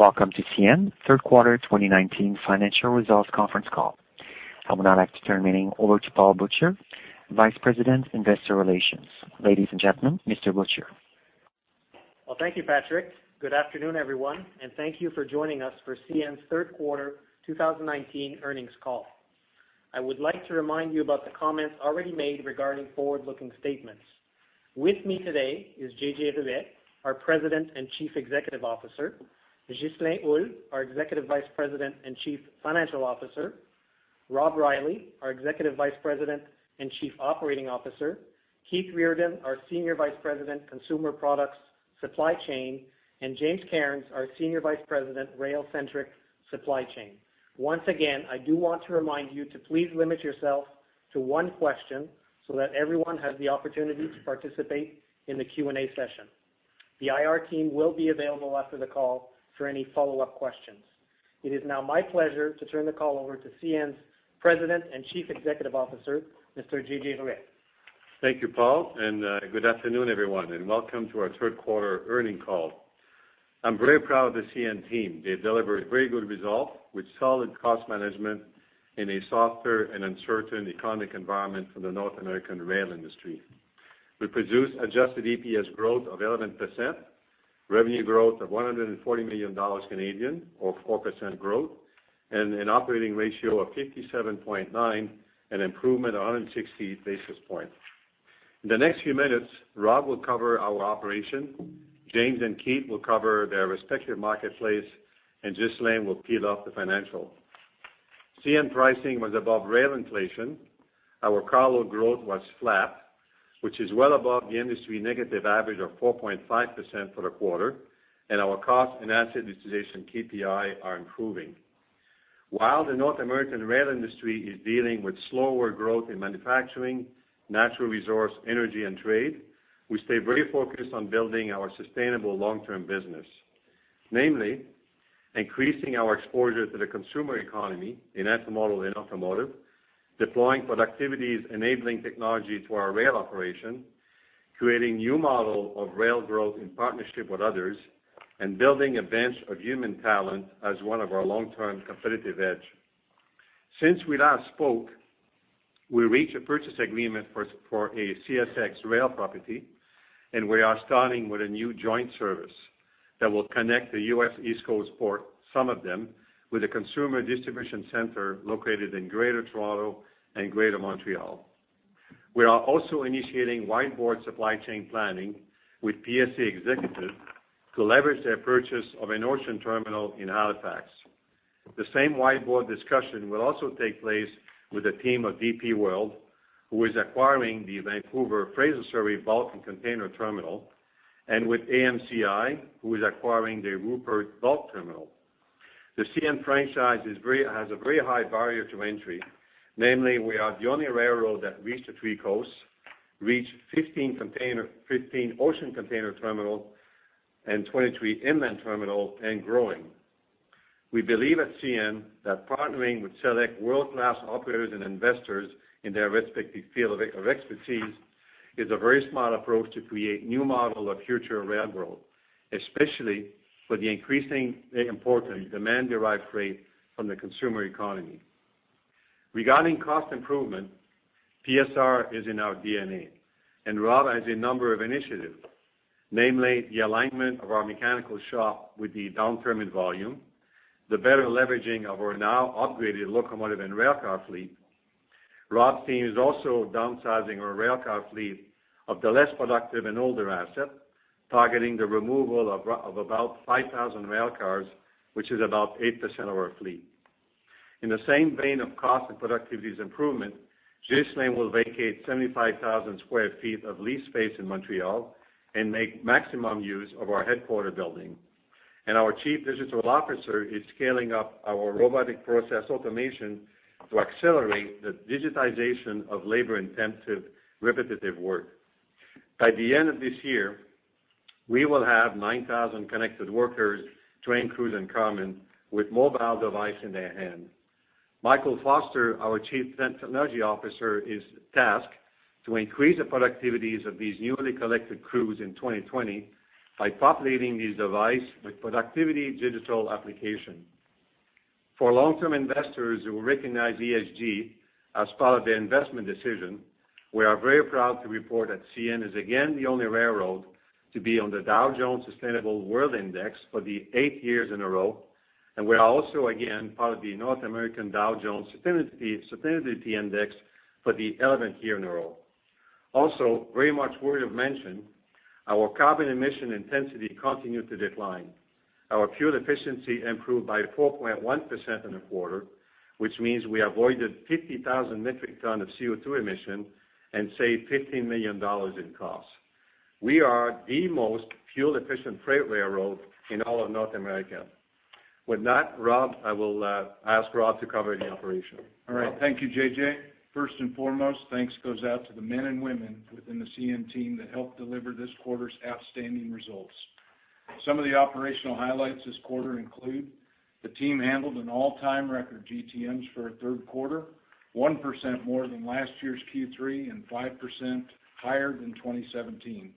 Welcome to CN Third Quarter 2019 Financial Results Conference Call. I would now like to turn the meeting over to Paul Butcher, Vice President, Investor Relations. Ladies and gentlemen, Mr. Butcher. Well, thank you, Patrick. Good afternoon, everyone, and thank you for joining us for CN's third quarter 2019 earnings call. I would like to remind you about the comments already made regarding forward-looking statements. With me today is JJ Ruest, our President and Chief Executive Officer; Ghislain Houle, our Executive Vice President and Chief Financial Officer; Rob Reilly, our Executive Vice President and Chief Operating Officer; Keith Reardon, our Senior Vice President, Consumer Products, Supply Chain; and James Cairns, our Senior Vice President, Rail Centric Supply Chain. Once again, I do want to remind you to please limit yourself to one question so that everyone has the opportunity to participate in the Q&A session. The IR team will be available after the call for any follow-up questions. It is now my pleasure to turn the call over to CN's President and Chief Executive Officer, Mr. JJ Ruest. Thank you, Paul, and good afternoon, everyone, and welcome to our third quarter earnings call. I'm very proud of the CN team. They delivered very good results with solid cost management in a softer and uncertain economic environment for the North American rail industry. We produced adjusted EPS growth of 11%, revenue growth of 140 million Canadian dollars, or 4% growth, and an operating ratio of 57.9, an improvement of 160 basis points. In the next few minutes, Rob will cover our operations, James and Keith will cover their respective markets, and Ghislain will cover the financials. CN pricing was above rail inflation. Our cargo growth was flat, which is well above the industry negative average of 4.5% for the quarter, and our cost and asset utilization KPI are improving. While the North American rail industry is dealing with slower growth in manufacturing, natural resource, energy, and trade, we stay very focused on building our sustainable long-term business. Namely, increasing our exposure to the consumer economy in intermodal and automotive, deploying productivities, enabling technology to our rail operation, creating new model of rail growth in partnership with others, and building a bench of human talent as one of our long-term competitive edge. Since we last spoke, we reached a purchase agreement for a CSX rail property, and we are starting with a new joint service that will connect the US East Coast port, some of them, with a consumer distribution center located in Greater Toronto and Greater Montreal. We are also initiating web-based supply chain planning with PSA executives to leverage their purchase of an ocean terminal in Halifax. The same wide board discussion will also take place with a team of DP World, who is acquiring the Vancouver Fraser Surrey bulk and container terminal, and with AMCI, who is acquiring the Prince Rupert bulk terminal. The CN franchise has a very high barrier to entry, namely, we are the only railroad that reach the three coasts, 15 ocean container terminals and 23 inland terminals and growing. We believe at CN that partnering with select world-class operators and investors in their respective field of expertise is a very smart approach to create new model of future rail growth, especially for the increasingly important demand-derived freight from the consumer economy. Regarding cost improvement, PSR is in our DNA, and Rob has a number of initiatives, namely, the alignment of our mechanical shop with the down terminal volume, the better leveraging of our now upgraded locomotive and railcar fleet. Rob's team is also downsizing our railcar fleet of the less productive and older asset, targeting the removal of about 5,000 railcars, which is about 8% of our fleet. In the same vein of cost and productivities improvement, Ghislain will vacate 75,000 sq ft of lease space in Montreal and make maximum use of our headquarters building. Our Chief Digital Officer is scaling up our robotic process automation to accelerate the digitization of labor-intensive, repetitive work. By the end of this year, we will have 9,000 connected workers, train crews, and common with mobile device in their hand. Michael Foster, our Chief Technology Officer, is tasked to increase the productivities of these newly collected crews in 2020 by populating these devices with productivity digital applications. For long-term investors who recognize ESG as part of their investment decision, we are very proud to report that CN is again the only railroad to be on the Dow Jones Sustainability World Index for the eighth year in a row, and we are also, again, part of the North American Dow Jones Sustainability Index for the eleventh year in a row. Also, very much worthy of mention, our carbon emission intensity continued to decline. Our fuel efficiency improved by 4.1% in the quarter, which means we avoided 50,000 metric tons of CO2 emissions and saved 15 million dollars in cost. We are the most fuel-efficient freight railroad in all of North America. With that, Rob, I will ask Rob to cover the operation. All right. Thank you, JJ. First and foremost, thanks goes out to the men and women within the CN team that helped deliver this quarter's outstanding results. Some of the operational highlights this quarter include:... The team handled an all-time record GTMs for a third quarter, 1% more than last year's Q3 and 5% higher than 2017.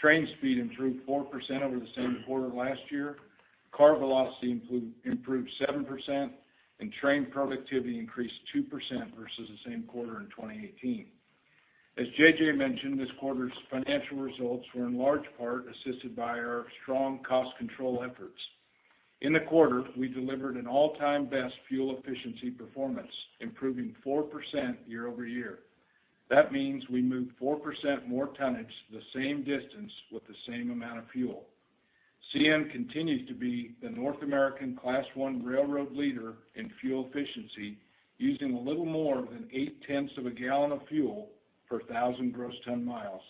Train speed improved 4% over the same quarter last year, car velocity improved 7%, and train productivity increased 2% versus the same quarter in 2018. As JJ mentioned, this quarter's financial results were in large part assisted by our strong cost control efforts. In the quarter, we delivered an all-time best fuel efficiency performance, improving 4% year over year. That means we moved 4% more tonnage, the same distance with the same amount of fuel. CN continues to be the North American Class I railroad leader in fuel efficiency, using a little more than 0.8 of a gallon of fuel per thousand gross ton miles.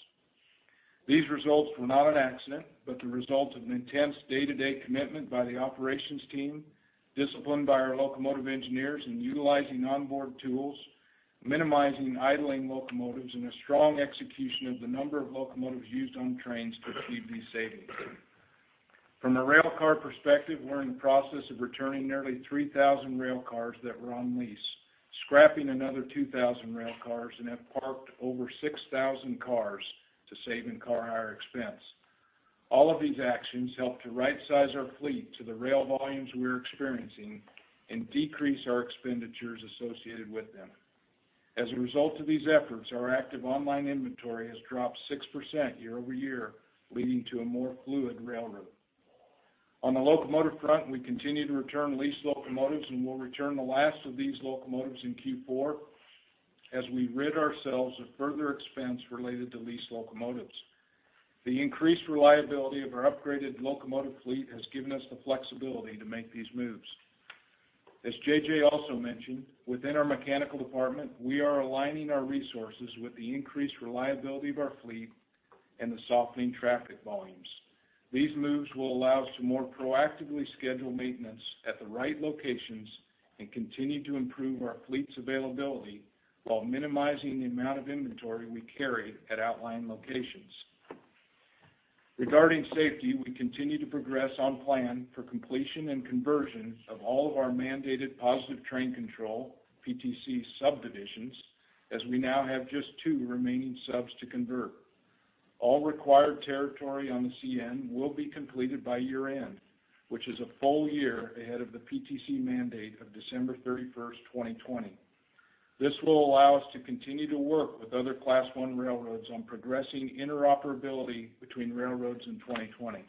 These results were not an accident, but the result of an intense day-to-day commitment by the operations team, disciplined by our locomotive engineers in utilizing onboard tools, minimizing idling locomotives, and a strong execution of the number of locomotives used on trains to achieve these savings. From a railcar perspective, we're in the process of returning nearly 3,000 railcars that were on lease, scrapping another 2,000 railcars, and have parked over 6,000 cars to save in car hire expense. All of these actions help to rightsize our fleet to the rail volumes we're experiencing and decrease our expenditures associated with them. As a result of these efforts, our active online inventory has dropped 6% year-over-year, leading to a more fluid railroad. On the locomotive front, we continue to return leased locomotives, and we'll return the last of these locomotives in Q4 as we rid ourselves of further expense related to leased locomotives. The increased reliability of our upgraded locomotive fleet has given us the flexibility to make these moves. As JJ also mentioned, within our mechanical department, we are aligning our resources with the increased reliability of our fleet and the softening traffic volumes. These moves will allow us to more proactively schedule maintenance at the right locations and continue to improve our fleet's availability while minimizing the amount of inventory we carry at outlying locations. Regarding safety, we continue to progress on plan for completion and conversion of all of our mandated positive train control, PTC subdivisions, as we now have just two remaining subs to convert. All required territory on the CN will be completed by year-end, which is a full year ahead of the PTC mandate of December 31, 2020. This will allow us to continue to work with other Class I railroads on progressing interoperability between railroads in 2020.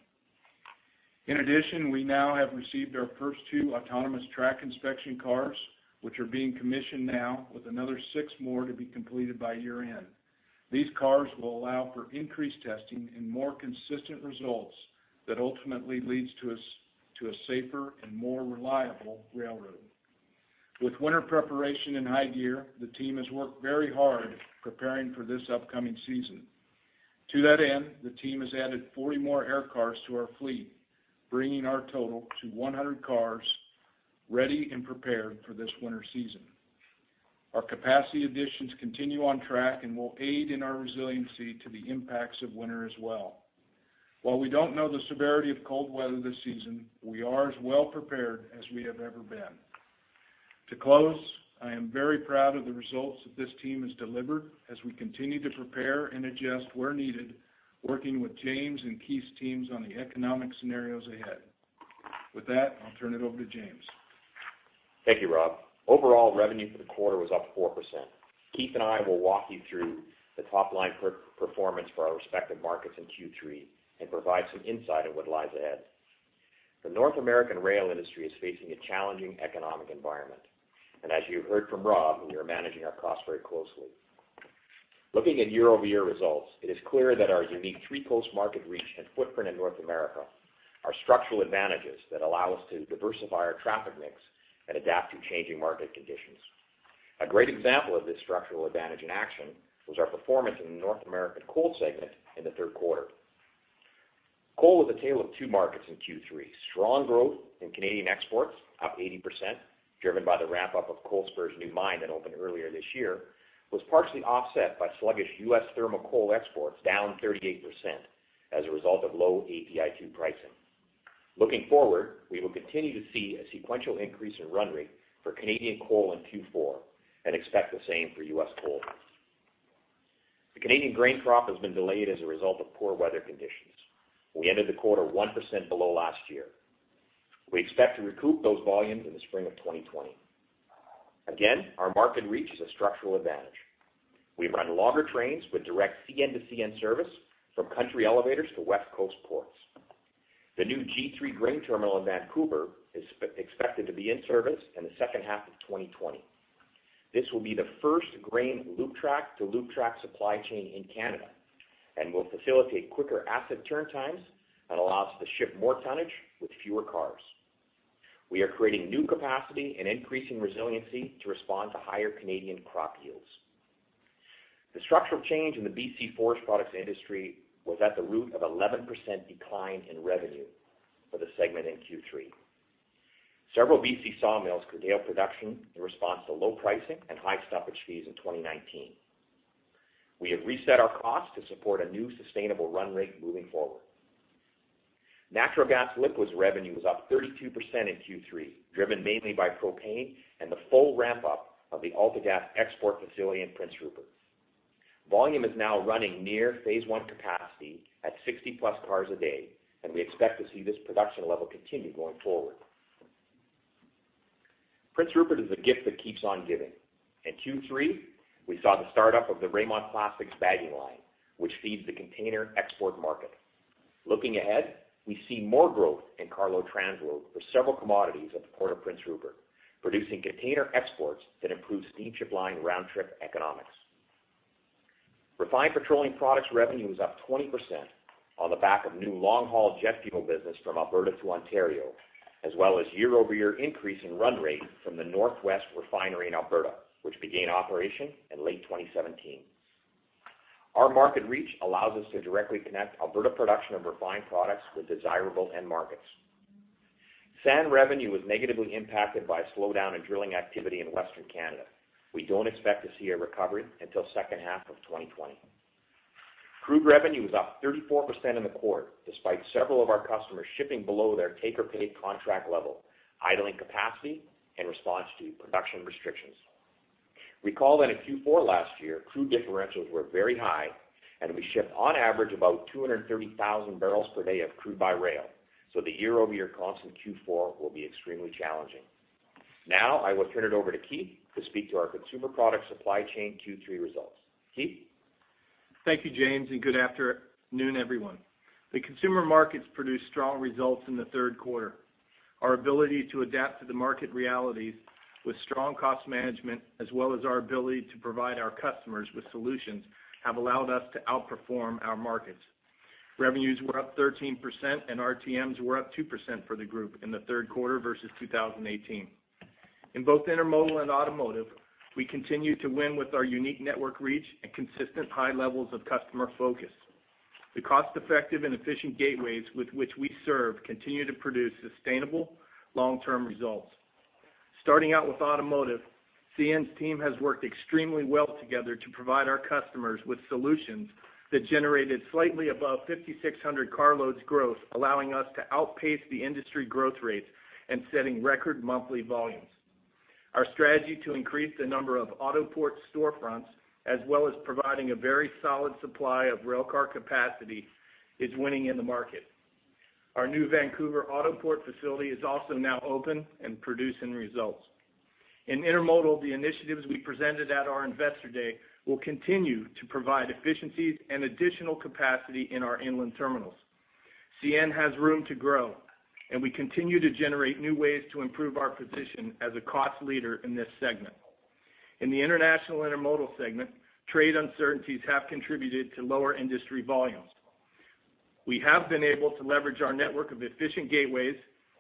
In addition, we now have received our first 2 autonomous track inspection cars, which are being commissioned now with another 6 more to be completed by year-end. These cars will allow for increased testing and more consistent results that ultimately leads to a safer and more reliable railroad. With winter preparation in high gear, the team has worked very hard preparing for this upcoming season. To that end, the team has added 40 more air cars to our fleet, bringing our total to 100 cars ready and prepared for this winter season. Our capacity additions continue on track and will aid in our resiliency to the impacts of winter as well. While we don't know the severity of cold weather this season, we are as well prepared as we have ever been. To close, I am very proud of the results that this team has delivered as we continue to prepare and adjust where needed, working with James and Keith's teams on the economic scenarios ahead. With that, I'll turn it over to James. Thank you, Rob. Overall, revenue for the quarter was up 4%. Keith and I will walk you through the top-line performance for our respective markets in Q3 and provide some insight on what lies ahead. The North American rail industry is facing a challenging economic environment, and as you heard from Rob, we are managing our costs very closely. Looking at year-over-year results, it is clear that our unique three-coast market reach and footprint in North America are structural advantages that allow us to diversify our traffic mix and adapt to changing market conditions. A great example of this structural advantage in action was our performance in the North American coal segment in the third quarter. Coal was a tale of two markets in Q3. Strong growth in Canadian exports, up 80%, driven by the wrap-up of Coalspur's new mine that opened earlier this year, was partially offset by sluggish US thermal coal exports, down 38%, as a result of low API2 pricing. Looking forward, we will continue to see a sequential increase in run rate for Canadian coal in Q4 and expect the same for US coal. The Canadian grain crop has been delayed as a result of poor weather conditions. We ended the quarter 1% below last year. We expect to recoup those volumes in the spring of 2020. Again, our market reach is a structural advantage. We run longer trains with direct CN to CN service from country elevators to West Coast ports. The new G3 grain terminal in Vancouver is expected to be in service in the second half of 2020. This will be the first grain loop track to loop track supply chain in Canada, and will facilitate quicker asset turn times and allow us to ship more tonnage with fewer cars. We are creating new capacity and increasing resiliency to respond to higher Canadian crop yields. The structural change in the BC forest products industry was at the root of 11% decline in revenue for the segment in Q3. Several BC sawmills curtailed production in response to low pricing and high stoppage fees in 2019. We have reset our costs to support a new sustainable run rate moving forward. Natural gas liquids revenue was up 32% in Q3, driven mainly by propane and the full ramp-up of the AltaGas export facility in Prince Rupert. Volume is now running near phase one capacity at 60+ cars a day, and we expect to see this production level continue going forward. Prince Rupert is a gift that keeps on giving. In Q3, we saw the startup of the Ray-Mont Plastics bagging line, which feeds the container export market. Looking ahead, we see more growth in carload transload for several commodities at the Port of Prince Rupert, producing container exports that improve steamship line round-trip economics. Refined petroleum products revenue was up 20% on the back of new long-haul jet fuel business from Alberta to Ontario, as well as year-over-year increase in run rate from the Northwest Refinery in Alberta, which began operation in late 2017. Our market reach allows us to directly connect Alberta production of refined products with desirable end markets. Sand revenue was negatively impacted by a slowdown in drilling activity in Western Canada. We don't expect to see a recovery until second half of 2020. Crude revenue was up 34% in the quarter, despite several of our customers shipping below their take-or-pay contract level, idling capacity in response to production restrictions. Recall that in Q4 last year, crude differentials were very high, and we shipped on average about 230,000 barrels per day of crude by rail, so the year-over-year comps in Q4 will be extremely challenging. Now I will turn it over to Keith to speak to our consumer product supply chain Q3 results. Keith? Thank you, James, and good afternoon, everyone. The consumer markets produced strong results in the third quarter. Our ability to adapt to the market realities with strong cost management, as well as our ability to provide our customers with solutions, have allowed us to outperform our markets. Revenues were up 13%, and RTMs were up 2% for the group in the third quarter versus 2018. In both intermodal and automotive, we continue to win with our unique network reach and consistent high levels of customer focus. The cost-effective and efficient gateways with which we serve continue to produce sustainable long-term results. Starting out with automotive, CN's team has worked extremely well together to provide our customers with solutions that generated slightly above 5,600 carloads growth, allowing us to outpace the industry growth rates and setting record monthly volumes. Our strategy to increase the number of Autoport storefronts, as well as providing a very solid supply of rail car capacity, is winning in the market. Our new Vancouver Autoport facility is also now open and producing results. In intermodal, the initiatives we presented at our Investor Day will continue to provide efficiencies and additional capacity in our inland terminals. CN has room to grow, and we continue to generate new ways to improve our position as a cost leader in this segment. In the international intermodal segment, trade uncertainties have contributed to lower industry volumes. We have been able to leverage our network of efficient gateways,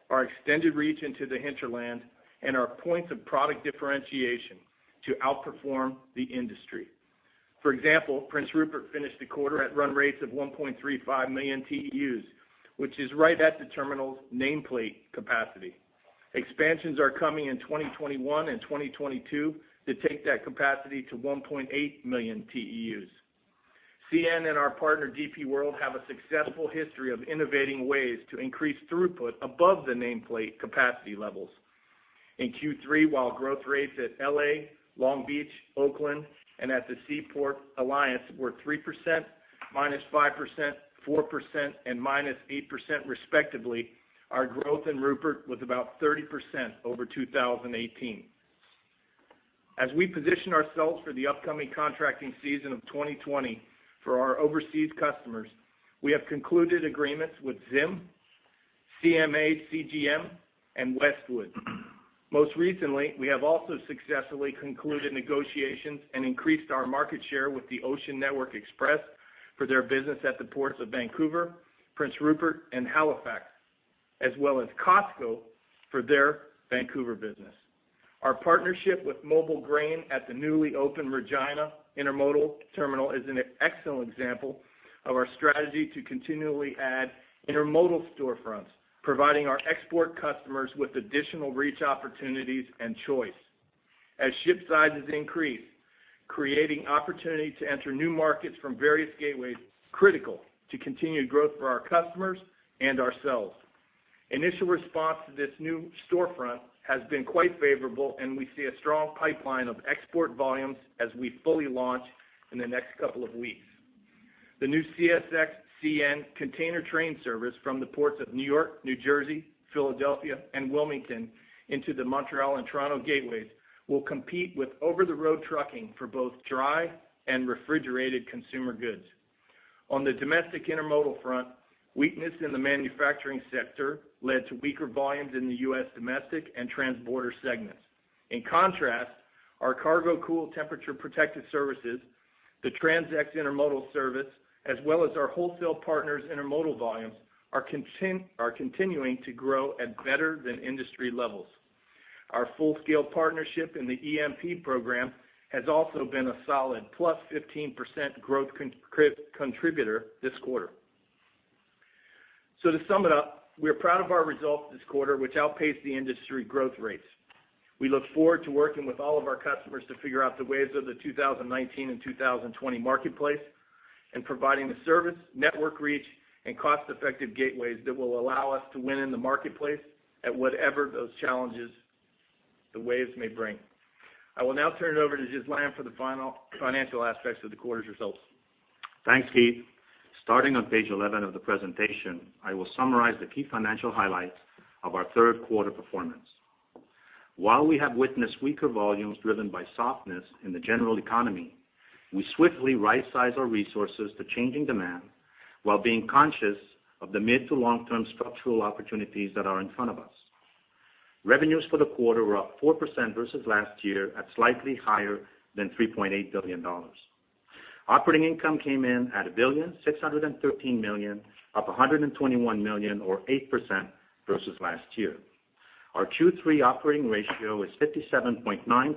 our extended reach into the hinterland, and our points of product differentiation to outperform the industry. For example, Prince Rupert finished the quarter at run rates of 1.35 million TEUs, which is right at the terminal's nameplate capacity. Expansions are coming in 2021 and 2022 to take that capacity to 1.8 million TEUs. CN and our partner, DP World, have a successful history of innovating ways to increase throughput above the nameplate capacity levels. In Q3, while growth rates at L.A., Long Beach, Oakland, and at the Seaport Alliance were 3%, -5%, 4%, and -8%, respectively, our growth in Rupert was about 30% over 2018. As we position ourselves for the upcoming contracting season of 2020 for our overseas customers, we have concluded agreements with Zim, CMA CGM, and Westwood. Most recently, we have also successfully concluded negotiations and increased our market share with the Ocean Network Express for their business at the ports of Vancouver, Prince Rupert, and Halifax, as well as COSCO for their Vancouver business. Our partnership with MobilGrain at the newly opened Regina Intermodal Terminal is an excellent example of our strategy to continually add intermodal storefronts, providing our export customers with additional reach opportunities and choice. As ship sizes increase, creating opportunity to enter new markets from various gateways, critical to continued growth for our customers and ourselves. Initial response to this new storefront has been quite favorable, and we see a strong pipeline of export volumes as we fully launch in the next couple of weeks. The new CSX CN container train service from the ports of New York, New Jersey, Philadelphia, and Wilmington into the Montreal and Toronto gateways will compete with over-the-road trucking for both dry and refrigerated consumer goods. On the domestic intermodal front, weakness in the manufacturing sector led to weaker volumes in the U.S. domestic and transborder segments. In contrast, our CargoCool temperature-protected services, the TransX intermodal service, as well as our wholesale partners' intermodal volumes, are continuing to grow at better-than-industry levels. Our full-scale partnership in the EMP program has also been a solid plus 15% growth contributor this quarter.... To sum it up, we are proud of our results this quarter, which outpaced the industry growth rates. We look forward to working with all of our customers to figure out the waves of the 2019 and 2020 marketplace, and providing the service, network reach, and cost-effective gateways that will allow us to win in the marketplace at whatever those challenges the waves may bring. I will now turn it over to Ghislain for the final financial aspects of the quarter's results. Thanks, Keith. Starting on page 11 of the presentation, I will summarize the key financial highlights of our third quarter performance. While we have witnessed weaker volumes driven by softness in the general economy, we swiftly right-sized our resources to changing demand while being conscious of the mid to long-term structural opportunities that are in front of us. Revenues for the quarter were up 4% versus last year at slightly higher than $3.8 billion. Operating income came in at $1.613 billion, up $121 million or 8% versus last year. Our Q3 operating ratio is 57.9%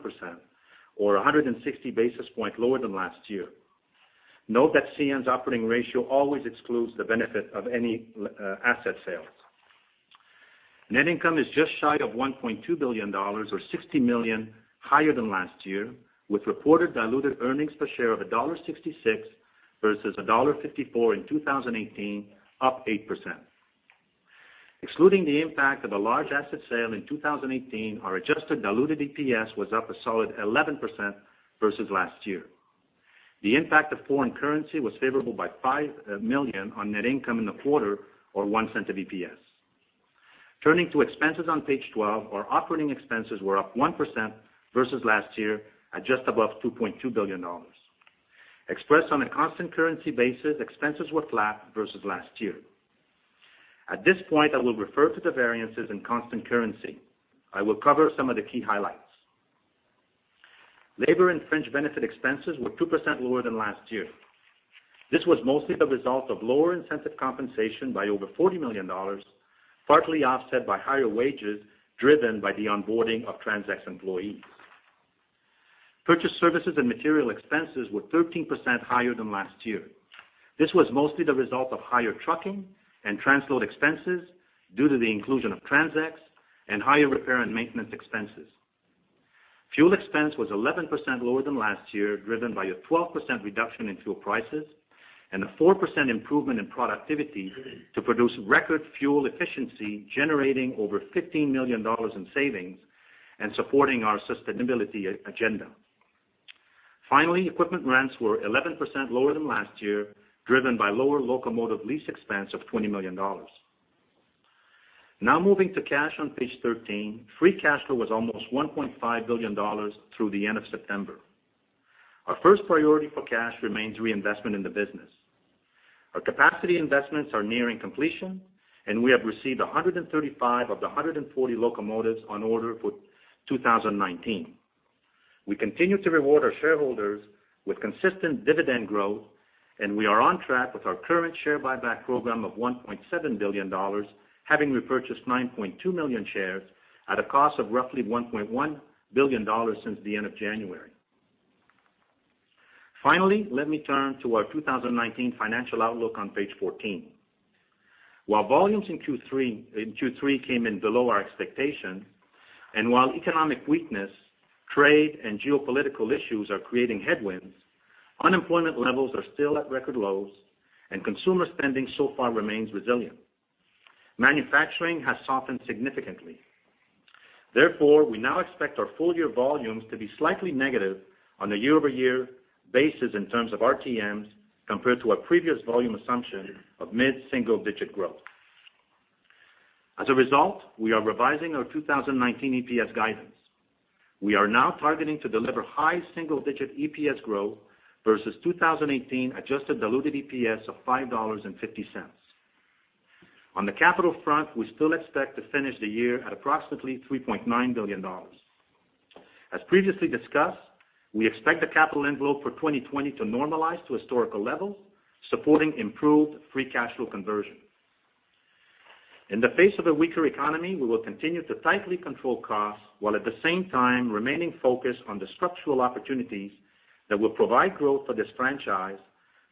or 160 basis points lower than last year. Note that CN's operating ratio always excludes the benefit of any asset sales. Net income is just shy of 1.2 billion dollars or 60 million higher than last year, with reported diluted earnings per share of dollar 1.66 versus dollar 1.54 in 2018, up 8%. Excluding the impact of a large asset sale in 2018, our adjusted diluted EPS was up a solid 11% versus last year. The impact of foreign currency was favorable by 5 million on net income in the quarter or 0.01 of EPS. Turning to expenses on page 12, our operating expenses were up 1% versus last year at just above 2.2 billion dollars. Expressed on a constant currency basis, expenses were flat versus last year. At this point, I will refer to the variances in constant currency. I will cover some of the key highlights. Labor and fringe benefit expenses were 2% lower than last year. This was mostly the result of lower incentive compensation by over 40 million dollars, partly offset by higher wages driven by the onboarding of TransX employees. Purchase services and material expenses were 13% higher than last year. This was mostly the result of higher trucking and transload expenses due to the inclusion of TransX and higher repair and maintenance expenses. Fuel expense was 11% lower than last year, driven by a 12% reduction in fuel prices and a 4% improvement in productivity to produce record fuel efficiency, generating over 15 million dollars in savings and supporting our sustainability agenda. Finally, equipment rents were 11% lower than last year, driven by lower locomotive lease expense of 20 million dollars. Now moving to cash on page 13, free cash flow was almost $1.5 billion through the end of September. Our first priority for cash remains reinvestment in the business. Our capacity investments are nearing completion, and we have received 135 of the 140 locomotives on order for 2019. We continue to reward our shareholders with consistent dividend growth, and we are on track with our current share buyback program of $1.7 billion, having repurchased 9.2 million shares at a cost of roughly $1.1 billion since the end of January. Finally, let me turn to our 2019 financial outlook on page 14. While volumes in Q3, in Q3 came in below our expectation, and while economic weakness, trade, and geopolitical issues are creating headwinds, unemployment levels are still at record lows, and consumer spending so far remains resilient. Manufacturing has softened significantly. Therefore, we now expect our full year volumes to be slightly negative on a year-over-year basis in terms of RTMs, compared to our previous volume assumption of mid-single digit growth. As a result, we are revising our 2019 EPS guidance. We are now targeting to deliver high single-digit EPS growth versus 2018 adjusted diluted EPS of $5.50. On the capital front, we still expect to finish the year at approximately $3.9 billion. As previously discussed, we expect the capital envelope for 2020 to normalize to historical levels, supporting improved free cash flow conversion. In the face of a weaker economy, we will continue to tightly control costs, while at the same time remaining focused on the structural opportunities that will provide growth for this franchise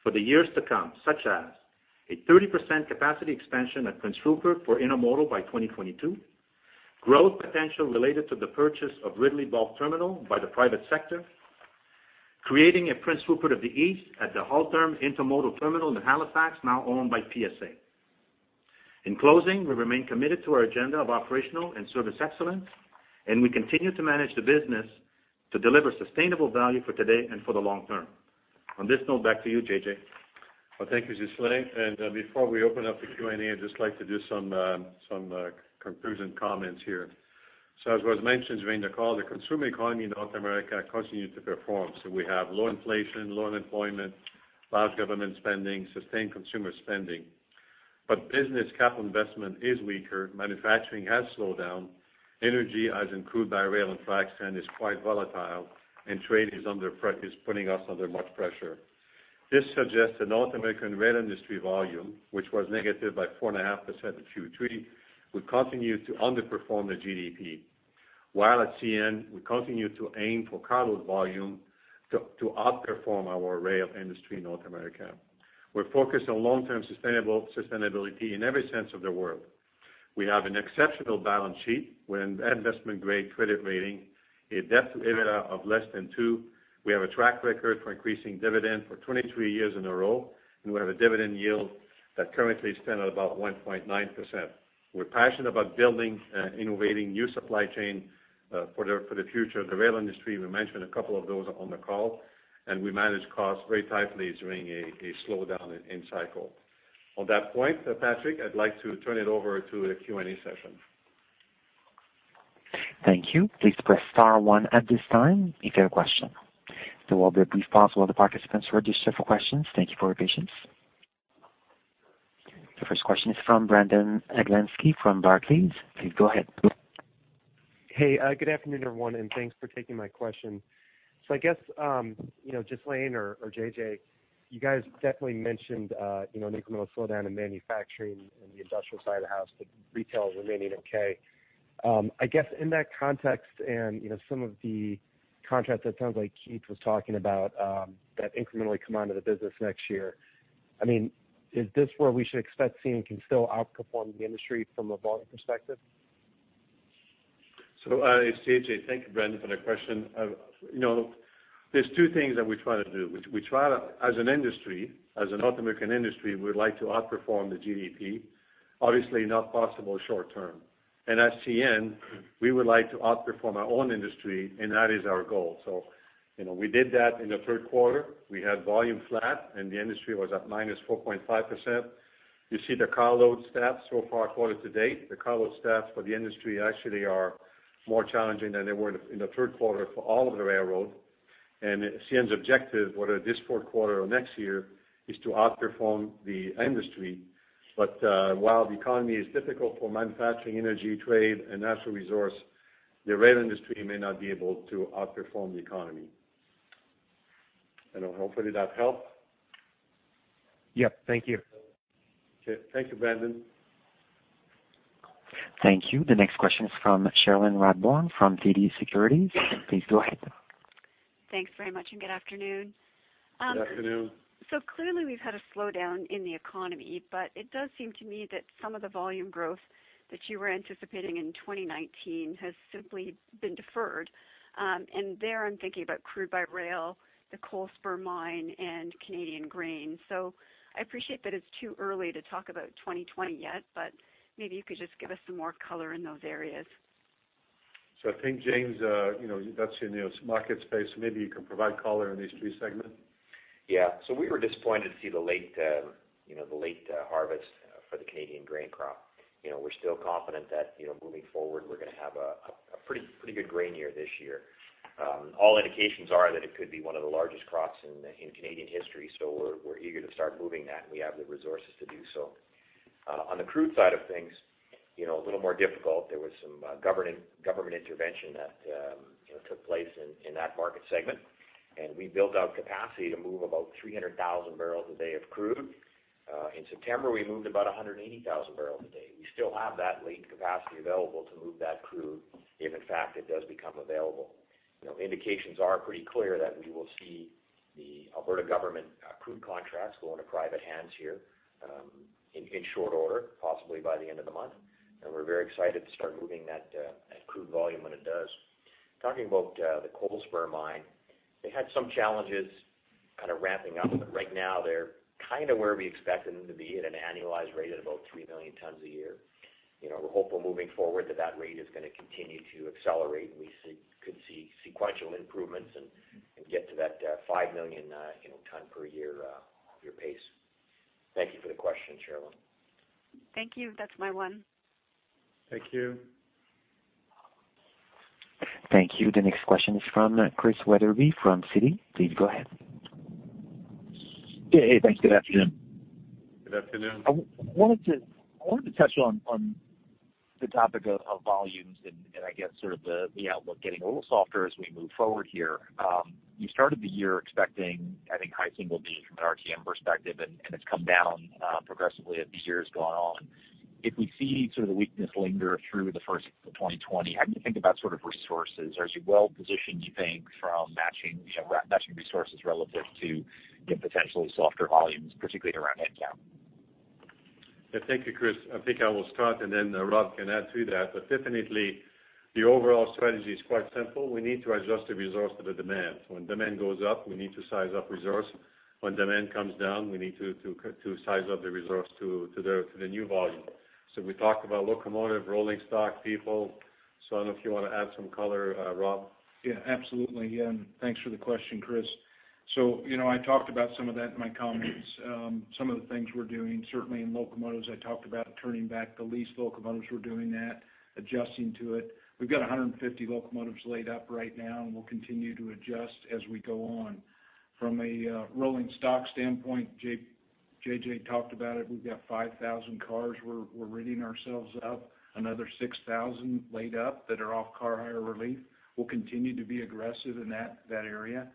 for the years to come, such as a 30% capacity expansion at Prince Rupert for intermodal by 2022, growth potential related to the purchase of Ridley Bulk Terminal by the private sector, creating a Prince Rupert of the East at the Halterm Intermodal Terminal in Halifax, now owned by PSA. In closing, we remain committed to our agenda of operational and service excellence, and we continue to manage the business to deliver sustainable value for today and for the long term. On this note, back to you, JJ. Well, thank you, Gisèle. Before we open up the Q&A, I'd just like to do some conclusion comments here. As was mentioned during the call, the consumer economy in North America continued to perform. We have low inflation, low unemployment, large government spending, sustained consumer spending. But business capital investment is weaker, manufacturing has slowed down, energy, as in crude by rail and frac sand, is quite volatile, and trade is putting us under much pressure. This suggests that North American rail industry volume, which was negative by 4.5% in Q3, will continue to underperform the GDP, while at CN, we continue to aim for carload volume to outperform our rail industry in North America. We're focused on long-term sustainability in every sense of the word. We have an exceptional balance sheet with an investment-grade credit rating, a debt-to-EBITDA of less than 2. We have a track record for increasing dividend for 23 years in a row, and we have a dividend yield that currently stand at about 1.9%. We're passionate about building and innovating new supply chain, for the, for the future of the rail industry. We mentioned a couple of those on the call, and we manage costs very tightly during a slowdown in cycle. On that point, Patrick, I'd like to turn it over to the Q&A session. Thank you. Please press star one at this time if you have a question. There will be a brief pause while the participants register for questions. Thank you for your patience. The first question is from Brandon Oglenski from Barclays. Please go ahead. Hey, good afternoon, everyone, and thanks for taking my question. So I guess, you know, just laying out, or JJ, you guys definitely mentioned, you know, incremental slowdown in manufacturing and the industrial side of the house, but retail is remaining okay. I guess in that context and, you know, some of the contracts that sounds like Keith was talking about, that incrementally come out of the business next year, I mean, is this where we should expect CN can still outperform the industry from a volume perspective? So, it's JJ. Thank you, Brandon, for the question. You know, there's two things that we try to do, which we try to, as an industry, as a North American industry, we would like to outperform the GDP. Obviously, not possible short term. And at CN, we would like to outperform our own industry, and that is our goal. So, you know, we did that in the third quarter. We had volume flat, and the industry was at minus 4.5%. You see the carload stats so far, quarter to date. The carload stats for the industry actually are more challenging than they were in the third quarter for all of the railroads. And CN's objective, whether this fourth quarter or next year, is to outperform the industry. But, while the economy is difficult for manufacturing, energy, trade, and natural resource, the rail industry may not be able to outperform the economy. And hopefully that helped? Yep. Thank you. Okay. Thank you, Brandon. Thank you. The next question is from Cherilyn Radbourne, from TD Securities. Please go ahead. Thanks very much, and good afternoon. Good afternoon. So clearly, we've had a slowdown in the economy, but it does seem to me that some of the volume growth that you were anticipating in 2019 has simply been deferred. And there, I'm thinking about crude by rail, the Coalspur Mines, and Canadian grain. So I appreciate that it's too early to talk about 2020 yet, but maybe you could just give us some more color in those areas. So I think, James, you know, that's in your market space. Maybe you can provide color in these three segments. Yeah. So we were disappointed to see the late harvest for the Canadian grain crop. You know, we're still confident that, you know, moving forward, we're gonna have a pretty good grain year this year. All indications are that it could be one of the largest crops in Canadian history, so we're eager to start moving that, and we have the resources to do so. On the crude side of things, you know, a little more difficult. There was some government intervention that, you know, took place in that market segment, and we built out capacity to move about 300,000 barrels a day of crude. In September, we moved about 180,000 barrels a day. We still have that latent capacity available to move that crude, if in fact, it does become available. You know, indications are pretty clear that we will see the Alberta government crude contracts go into private hands here in short order, possibly by the end of the month. And we're very excited to start moving that crude volume when it does. Talking about the Coalspur Mines, they had some challenges kind of ramping up, but right now they're kind of where we expect them to be at an annualized rate at about 3 million tons a year. You know, we're hopeful moving forward that that rate is gonna continue to accelerate, and we could see sequential improvements and get to that 5 million ton per year pace. Thank you for the question, Cherilyn. Thank you. That's my one. Thank you. Thank you. The next question is from Chris Wetherbee, from Citi. Please go ahead. Yeah. Hey, thanks. Good afternoon. Good afternoon. I wanted to touch on the topic of volumes and I guess sort of the outlook getting a little softer as we move forward here. You started the year expecting, I think, high single digit from an RTM perspective, and it's come down progressively as the year has gone on. If we see sort of the weakness linger through the first of 2020, how do you think about sort of resources? Are you well-positioned, do you think, from matching, you know, matching resources relative to the potentially softer volumes, particularly around headcount? Yeah. Thank you, Chris. I think I will start, and then Rob can add to that. But definitely, the overall strategy is quite simple: We need to adjust the resource to the demand. So when demand goes up, we need to size up resource. When demand comes down, we need to size up the resource to the new volume. So we talked about locomotive, rolling stock, people. So I don't know if you want to add some color, Rob. Yeah, absolutely. Yeah, and thanks for the question, Chris. So, you know, I talked about some of that in my comments. Some of the things we're doing, certainly in locomotives, I talked about turning back the leased locomotives. We're doing that, adjusting to it. We've got 150 locomotives laid up right now, and we'll continue to adjust as we go on. From a rolling stock standpoint, JJ talked about it. We've got 5,000 cars we're ridding ourselves of, another 6,000 laid up that are off car hire relief. We'll continue to be aggressive in that area.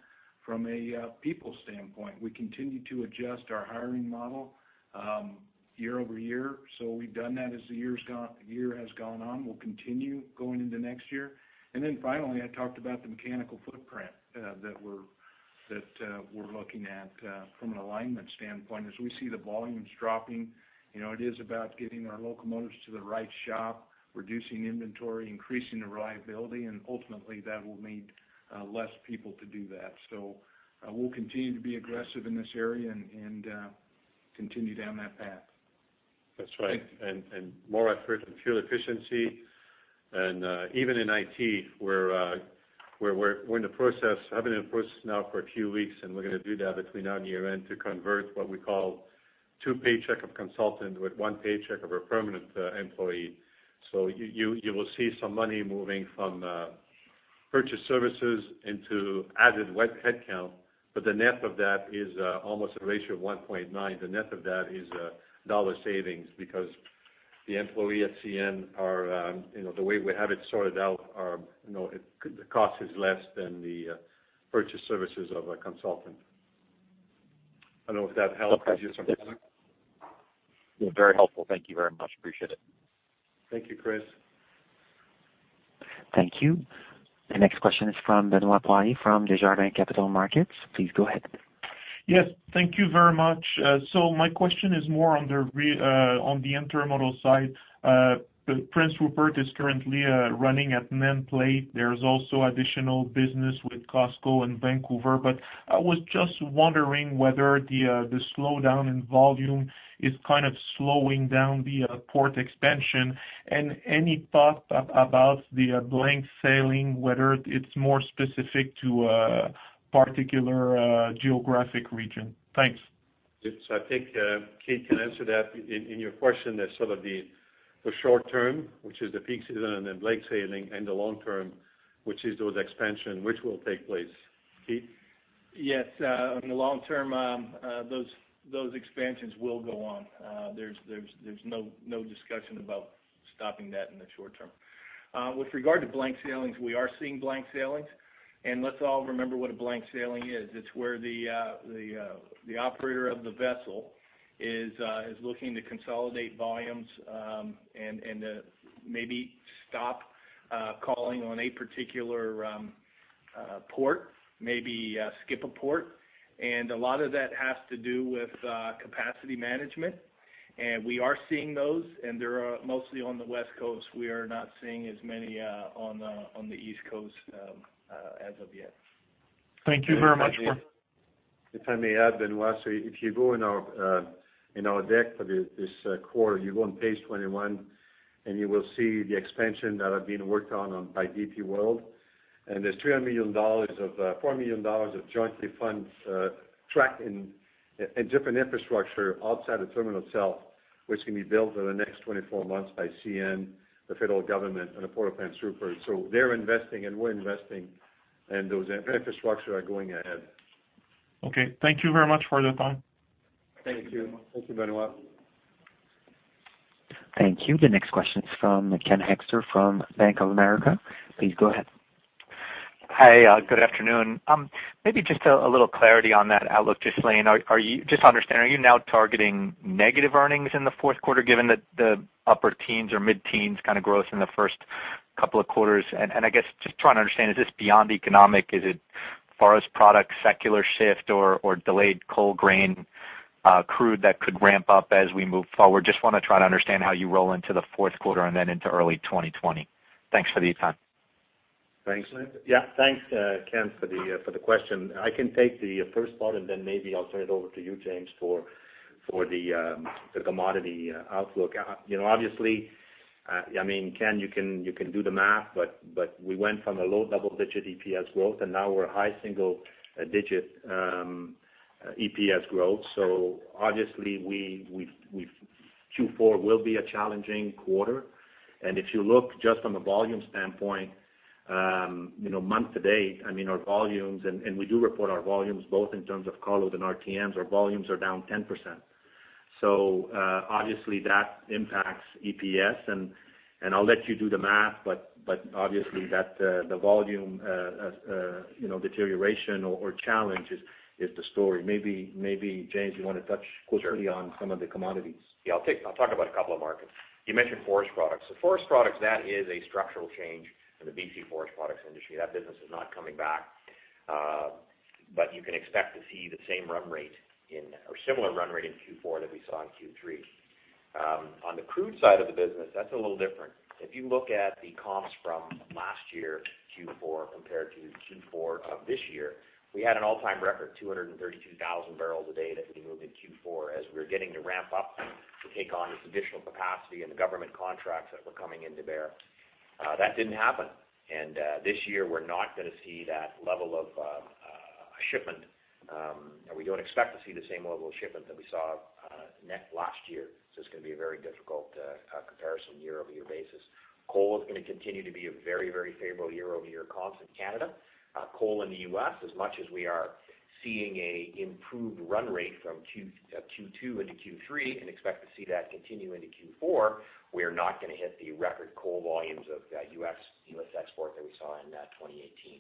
From a people standpoint, we continue to adjust our hiring model year-over-year. So we've done that as the year has gone on. We'll continue going into next year. Then finally, I talked about the mechanical footprint that we're... that, we're looking at from an alignment standpoint, as we see the volumes dropping, you know, it is about getting our locomotives to the right shop, reducing inventory, increasing the reliability, and ultimately, that will need less people to do that. So, we'll continue to be aggressive in this area and continue down that path. That's right. Thank- More effort in fuel efficiency, and even in IT, we're in the process, have been in the process now for a few weeks, and we're gonna do that between now and year-end to convert what we call two paychecks of a consultant with one paycheck of a permanent employee. So you will see some money moving from purchase services into added headcount, but the net of that is almost a ratio of 1.9. The net of that is dollar savings because the employees at CN, you know, the way we have it sorted out, you know, the cost is less than the purchase services of a consultant. I don't know if that helps you, Chris? Yeah, very helpful. Thank you very much. Appreciate it. Thank you, Chris. Thank you. The next question is from Benoit Poirier from Desjardins Capital Markets. Please go ahead. Yes, thank you very much. So my question is more on the intermodal side. Prince Rupert is currently running at full plate. There's also additional business with C and Vancouver. But I was just wondering whether the slowdown in volume is kind of slowing down the port expansion, and any thought about the blank sailing, whether it's more specific to a particular geographic region? Thanks. Yes, I think Keith can answer that. In your question, there's sort of the short term, which is the peak season and the Blank Sailing, and the long term, which is those expansion, which will take place. Keith? Yes, in the long term, those expansions will go on. There's no discussion about stopping that in the short term. With regard to blank sailings, we are seeing blank sailings, and let's all remember what a blank sailing is. It's where the operator of the vessel is looking to consolidate volumes, and maybe stop calling on a particular port, maybe skip a port. And a lot of that has to do with capacity management, and we are seeing those, and they are mostly on the West Coast. We are not seeing as many on the East Coast as of yet. Thank you very much for- If I may add, Benoit, so if you go in our deck for this quarter, you go on page 21, and you will see the expansion that are being worked on by DP World. And there's 300 million dollars of four million dollars of jointly funds tracked in different infrastructure outside the terminal itself, which can be built in the next 24 months by CN, the federal government, and the port of Prince Rupert. So they're investing, and we're investing, and those infrastructure are going ahead. Okay, thank you very much for the time. Thank you. Thank you, Benoit. Thank you. The next question is from Ken Hoexter from Bank of America. Please go ahead. Hey, good afternoon. Maybe just a little clarity on that outlook, just to understand, are you now targeting negative earnings in the fourth quarter, given that the upper teens or mid-teens kind of growth in the first couple of quarters? I guess just trying to understand, is this beyond economic? Is it forest products, secular shift, or delayed coal, grain, crude that could ramp up as we move forward? Just wanna try to understand how you roll into the fourth quarter and then into early 2020. Thanks for the time. Thanks. Yeah, thanks, Ken, for the question. I can take the first part, and then maybe I'll turn it over to you, James, for the commodity outlook. You know, obviously, I mean, Ken, you can do the math, but we went from a low double-digit EPS growth, and now we're a high single digit EPS growth. So obviously, Q4 will be a challenging quarter. And if you look just from a volume standpoint, you know, month to date, I mean, our volumes, and we do report our volumes both in terms of cargo and RTMs, our volumes are down 10%. So, obviously, that impacts EPS, and, and I'll let you do the math, but, but obviously, that, the volume, you know, deterioration or, or challenge is, is the story. Maybe, maybe, James, you wanna touch quickly- Sure on some of the commodities? Yeah, I'll talk about a couple of markets. You mentioned forest products. So forest products, that is a structural change in the BC forest products industry. That business is not coming back. But you can expect to see the same run rate in or similar run rate in Q4 that we saw in Q3. On the crude side of the business, that's a little different. If you look at the comps from last year, Q4 compared to Q4 of this year, we had an all-time record, 232,000 barrels a day, that we moved in Q4, as we were getting to ramp up to take on this additional capacity and the government contracts that were coming to bear. That didn't happen, and this year, we're not gonna see that level of shipment. And we don't expect to see the same level of shipment that we saw net last year. So it's gonna be a very difficult comparison year-over-year basis. Coal is gonna continue to be a very, very favorable year-over-year comps in Canada. Coal in the U.S., as much as we are seeing a improved run rate from Q2 into Q3, and expect to see that continue into Q4, we are not gonna hit the record coal volumes of U.S. export that we saw in 2018.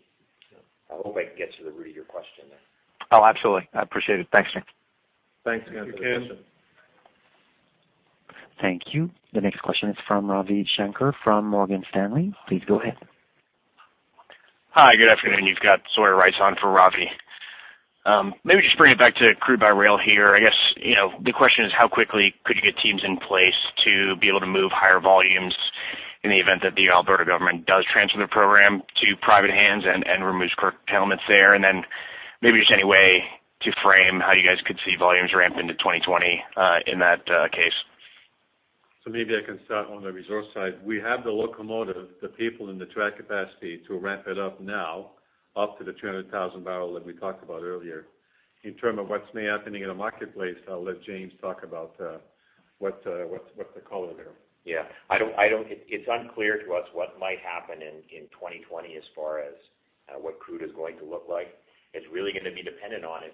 So I hope I can get to the root of your question there. Oh, absolutely. I appreciate it. Thanks, James. Thanks, again, for the question. Thank you. The next question is from Ravi Shanker from Morgan Stanley. Please go ahead. Hi, good afternoon. You've got Sawyer Rice on for Ravi. Maybe just bring it back to crude by rail here. I guess, you know, the question is how quickly could you get teams in place to be able to move higher volumes in the event that the Alberta government does transfer the program to private hands and, and removes curtailments there? And then maybe just any way to frame how you guys could see volumes ramp into 2020, in that, case. So maybe I can start on the resource side. We have the locomotive, the people, and the track capacity to ramp it up now, up to the 200,000 barrels that we talked about earlier. In terms of what's maybe happening in the marketplace, I'll let James talk about what the color there. Yeah. I don't—it's unclear to us what might happen in 2020 as far as what crude is going to look like. It's really gonna be dependent on if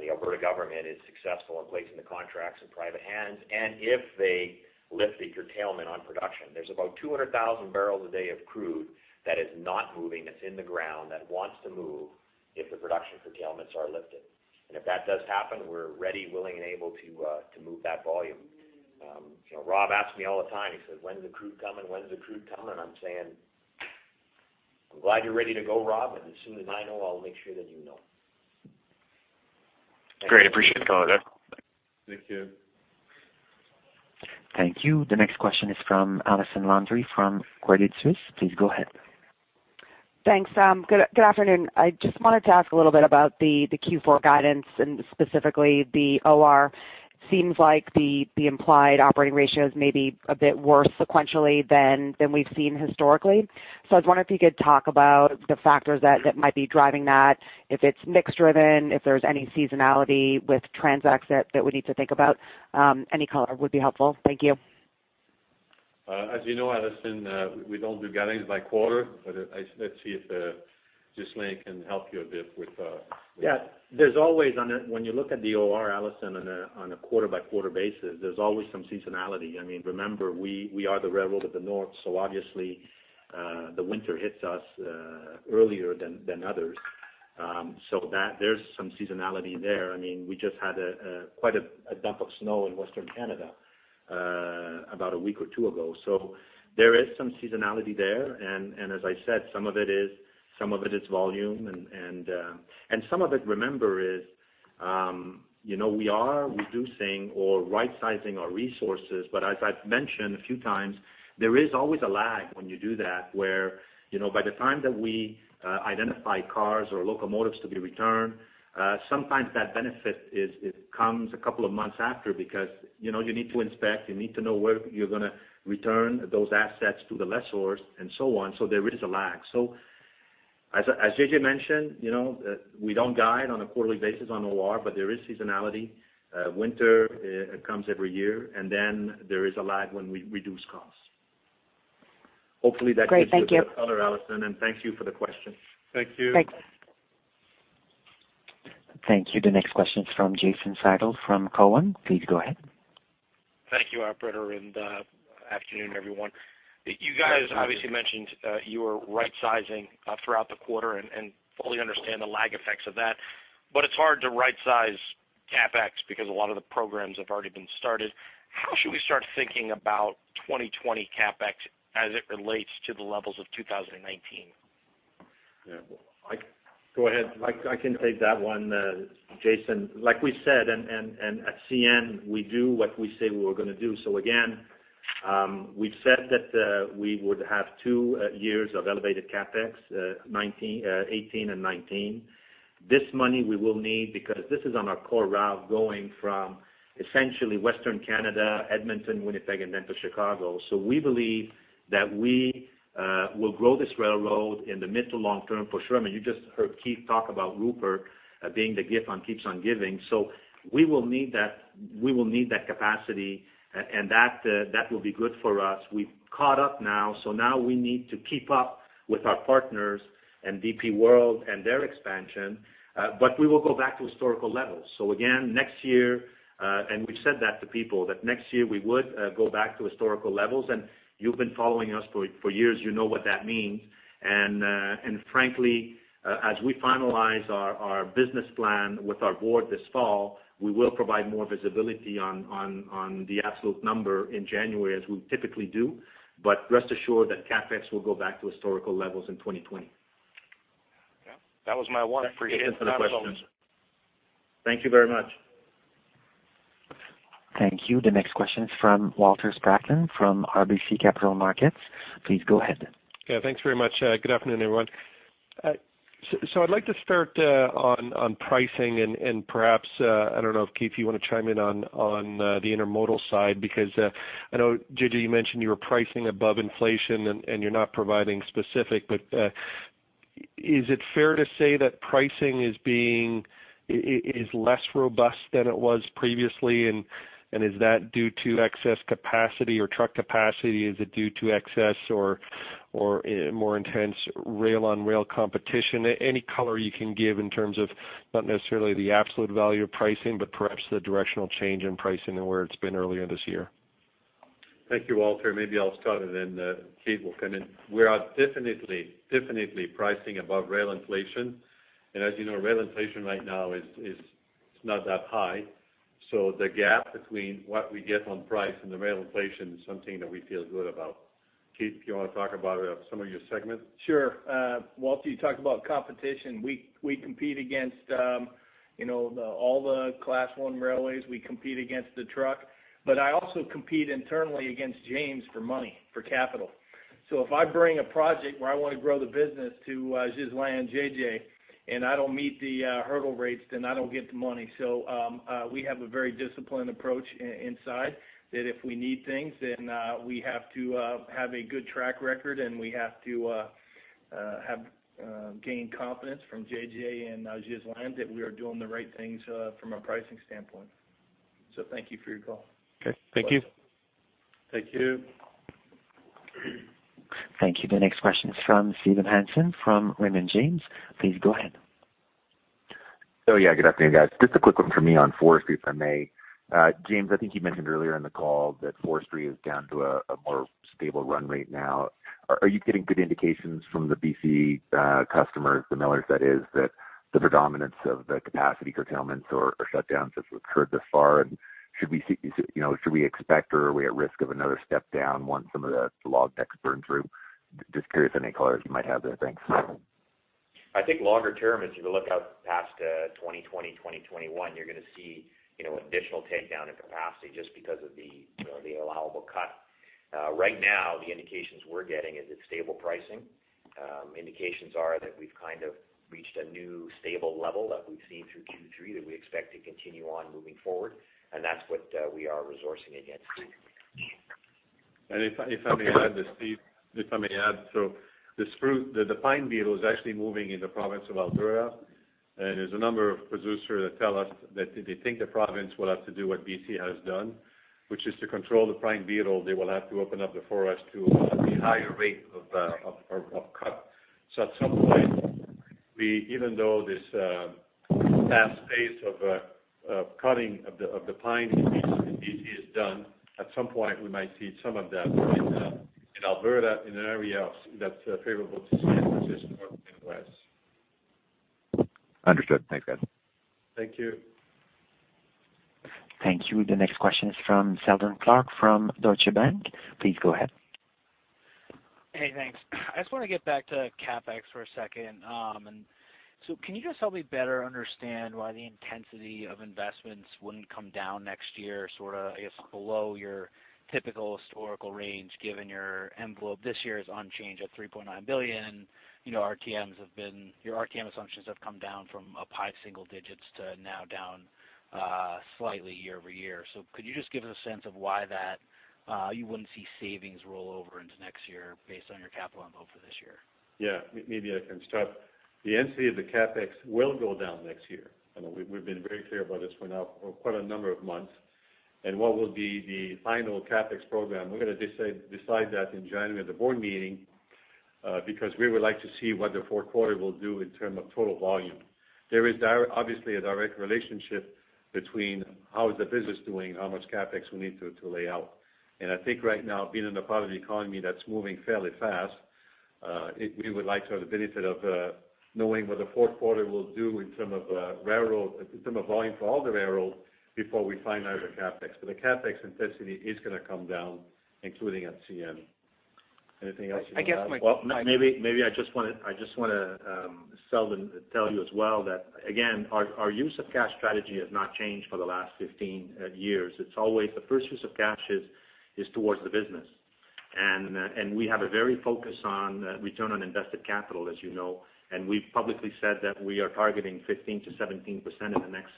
the Alberta government is successful in placing the contracts in private hands, and if they lift the curtailment on production. There's about 200,000 barrels a day of crude that is not moving, that's in the ground, that wants to move if the production curtailments are lifted. If that does happen, we're ready, willing, and able to move that volume. You know, Rob asks me all the time, he says, "When's the crude coming? When's the crude coming?" I'm saying, "I'm glad you're ready to go, Rob, and as soon as I know, I'll make sure that you know. Great. Appreciate the call. Thank you. Thank you. The next question is from Allison Landry from Credit Suisse. Please go ahead. Thanks, good afternoon. I just wanted to ask a little bit about the Q4 guidance and specifically the OR. Seems like the implied operating ratio is maybe a bit worse sequentially than we've seen historically. So I was wondering if you could talk about the factors that might be driving that, if it's mix driven, if there's any seasonality with TransX that we need to think about. Any color would be helpful. Thank you. As you know, Allison, we don't do guidance by quarter, but, let's see if Ghislain can help you a bit with- Yeah. There's always on a-- when you look at the OR, Allison, on a quarter-by-quarter basis, there's always some seasonality. I mean, remember, we are the railroad of the north, so obviously, the winter hits us earlier than others. So that-- there's some seasonality there. I mean, we just had quite a dump of snow in western Canada about a week or two ago. So there is some seasonality there. And as I said, some of it is volume and some of it, remember, is you know, we are reducing or rightsizing our resources. But as I've mentioned a few times, there is always a lag when you do that, where, you know, by the time that we identify cars or locomotives to be returned, sometimes that benefit is, it comes a couple of months after because, you know, you need to inspect, you need to know where you're gonna return those assets to the lessors and so on. So there is a lag. So as JJ mentioned, you know, we don't guide on a quarterly basis on OR, but there is seasonality. Winter comes every year, and then there is a lag when we reduce costs. Hopefully, that gives you- Great. Thank you. you, Allison, and thank you for the question. Thank you. Thanks. Thank you. The next question is from Jason Seidl from Cowen. Please go ahead. Thank you, operator, and afternoon, everyone. You guys obviously mentioned you were rightsizing throughout the quarter, and fully understand the lag effects of that. But it's hard to rightsize CapEx because a lot of the programs have already been started. How should we start thinking about 2020 CapEx as it relates to the levels of 2019? Yeah. Go ahead. I can take that one, Jason. Like we said, at CN, we do what we say we're gonna do. So again, we've said that we would have two years of elevated CapEx, 2018 and 2019. This money we will need because this is on our core route going from essentially western Canada, Edmonton, Winnipeg, and down to Chicago. So we believe that we will grow this railroad in the mid to long term for sure. I mean, you just heard Keith talk about Rupert being the gift that keeps on giving. So we will need that, we will need that capacity, and that will be good for us. We've caught up now, so now we need to keep up with our partners and DP World and their expansion, but we will go back to historical levels. So again, next year, and we've said that to people, that next year we would go back to historical levels. And you've been following us for years, you know what that means. And frankly, as we finalize our business plan with our board this fall, we will provide more visibility on the absolute number in January, as we typically do. But rest assured that CapEx will go back to historical levels in 2020. Yeah, that was my one. I appreciate it. Thank you very much. Thank you. The next question is from Walter Spracklin, from RBC Capital Markets. Please go ahead. Yeah, thanks very much. Good afternoon, everyone. So I'd like to start on pricing and perhaps I don't know if Keith you wanna chime in on the intermodal side, because I know JJ you mentioned you were pricing above inflation and you're not providing specific. But is it fair to say that pricing is being... is less robust than it was previously? And is that due to excess capacity or truck capacity? Is it due to excess or more intense rail-on-rail competition? Any color you can give in terms of not necessarily the absolute value of pricing, but perhaps the directional change in pricing and where it's been earlier this year? ...Thank you, Walter. Maybe I'll start, and then, Keith will come in. We are definitely, definitely pricing above rail inflation, and as you know, rail inflation right now is not that high. So the gap between what we get on price and the rail inflation is something that we feel good about. Keith, you wanna talk about some of your segments? Sure. Walter, you talked about competition. We compete against, you know, all the Class I railways. We compete against the truck, but I also compete internally against James for money, for capital. So if I bring a project where I wanna grow the business to Ghislain and JJ, and I don't meet the hurdle rates, then I don't get the money. So we have a very disciplined approach inside, that if we need things, then we have to have a good track record, and we have to gain confidence from JJ and Ghislain that we are doing the right things from a pricing standpoint. So thank you for your call. Okay, thank you. Thank you. Thank you. The next question is from Steve Hansen, from Raymond James. Please go ahead. Oh, yeah, good afternoon, guys. Just a quick one for me on forestry, if I may. James, I think you mentioned earlier in the call that forestry is down to a more stable run rate now. Are you getting good indications from the BC customers, the millers that is, that the predominance of the capacity curtailments or shutdowns has occurred thus far? And should we see, you know, should we expect or are we at risk of another step down once some of the log decks burn through? Just curious if any color you might have there. Thanks. I think longer term, as you look out past 2020, 2021, you're gonna see, you know, additional takedown in capacity just because of the, you know, the allowable cut. Right now, the indications we're getting is it's stable pricing. Indications are that we've kind of reached a new stable level that we've seen through Q3, that we expect to continue on moving forward, and that's what we are resourcing against. And if I, if I may add to Steve- Okay. If I may add, so the pine beetle is actually moving in the province of Alberta, and there's a number of producers that tell us that they think the province will have to do what BC has done, which is to control the pine beetle. They will have to open up the forest to a higher rate of cut. So at some point, even though this fast pace of cutting of the pine is done, at some point, we might see some of that in Alberta, in an area that's favorable to CN versus north and west. Understood. Thanks, guys. Thank you. Thank you. The next question is from Seldon Clarke, from Deutsche Bank. Please go ahead. Hey, thanks. I just wanna get back to CapEx for a second. So can you just help me better understand why the intensity of investments wouldn't come down next year, sorta, I guess, below your typical historical range, given your envelope this year is unchanged at 3.9 billion? You know, RTMs have been—your RTM assumptions have come down from up high single digits to now down, slightly year-over-year. So could you just give us a sense of why that, you wouldn't see savings roll over into next year based on your capital envelope for this year? Yeah, maybe I can start. The intensity of the CapEx will go down next year, and we've been very clear about this for now for quite a number of months. And what will be the final CapEx program? We're gonna decide that in January at the board meeting, because we would like to see what the fourth quarter will do in terms of total volume. There is obviously a direct relationship between how is the business doing, how much CapEx we need to lay out. And I think right now, being in a part of the economy that's moving fairly fast, we would like to have the benefit of knowing what the fourth quarter will do in terms of railroad, in terms of volume for all the railroads, before we finalize the CapEx. But the CapEx intensity is gonna come down, including at CN. Anything else you would add? I guess my- Well, maybe I just wanna, Sheldon, tell you as well that, again, our use of cash strategy has not changed for the last 15 years. It's always the first use of cash is towards the business. And we have a very focused on return on invested capital, as you know, and we've publicly said that we are targeting 15%-17% in the next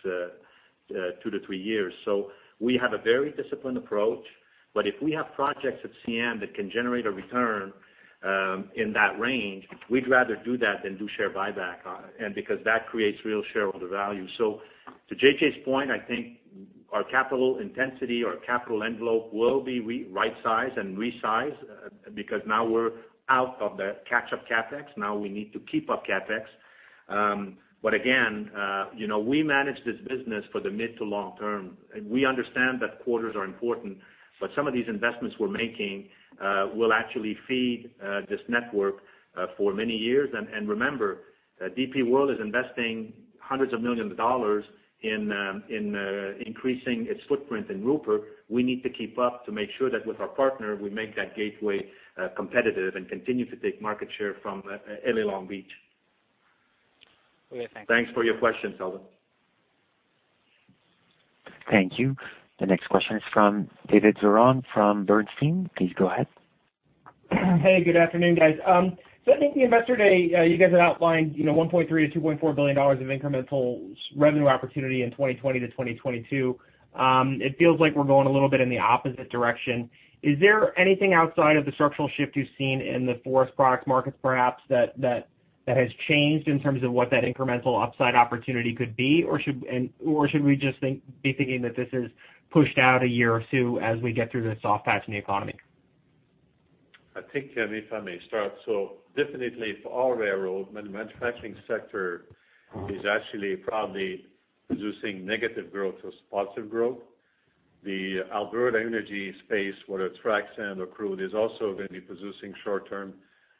2-3 years. So we have a very disciplined approach, but if we have projects at CN that can generate a return in that range, we'd rather do that than do share buyback. And because that creates real shareholder value. So to JJ's point, I think our capital intensity or capital envelope will be right-sized and resized because now we're out of the catch-up CapEx. Now, we need to keep up CapEx. But again, you know, we manage this business for the mid to long term. We understand that quarters are important, but some of these investments we're making will actually feed this network for many years. And remember, DP World is investing $hundreds of millions in increasing its footprint in Rupert. We need to keep up to make sure that with our partner, we make that gateway competitive and continue to take market share from LA Long Beach. Okay, thank you. Thanks for your question, Seldon. Thank you. The next question is from David Vernon from Bernstein. Please go ahead. Hey, good afternoon, guys. So I think the Investor Day, you guys had outlined, you know, 1.3 billion-2.4 billion dollars of incremental revenue opportunity in 2020 to 2022. It feels like we're going a little bit in the opposite direction. Is there anything outside of the structural shift you've seen in the forest products markets, perhaps, that has changed in terms of what that incremental upside opportunity could be? Or should we just be thinking that this is pushed out a year or two as we get through this soft patch in the economy?... I think, and if I may start, so definitely for all railroad, manufacturing sector is actually probably producing negative growth or positive growth. The Alberta energy space, whether it's track sand or crude, is also gonna be producing short-term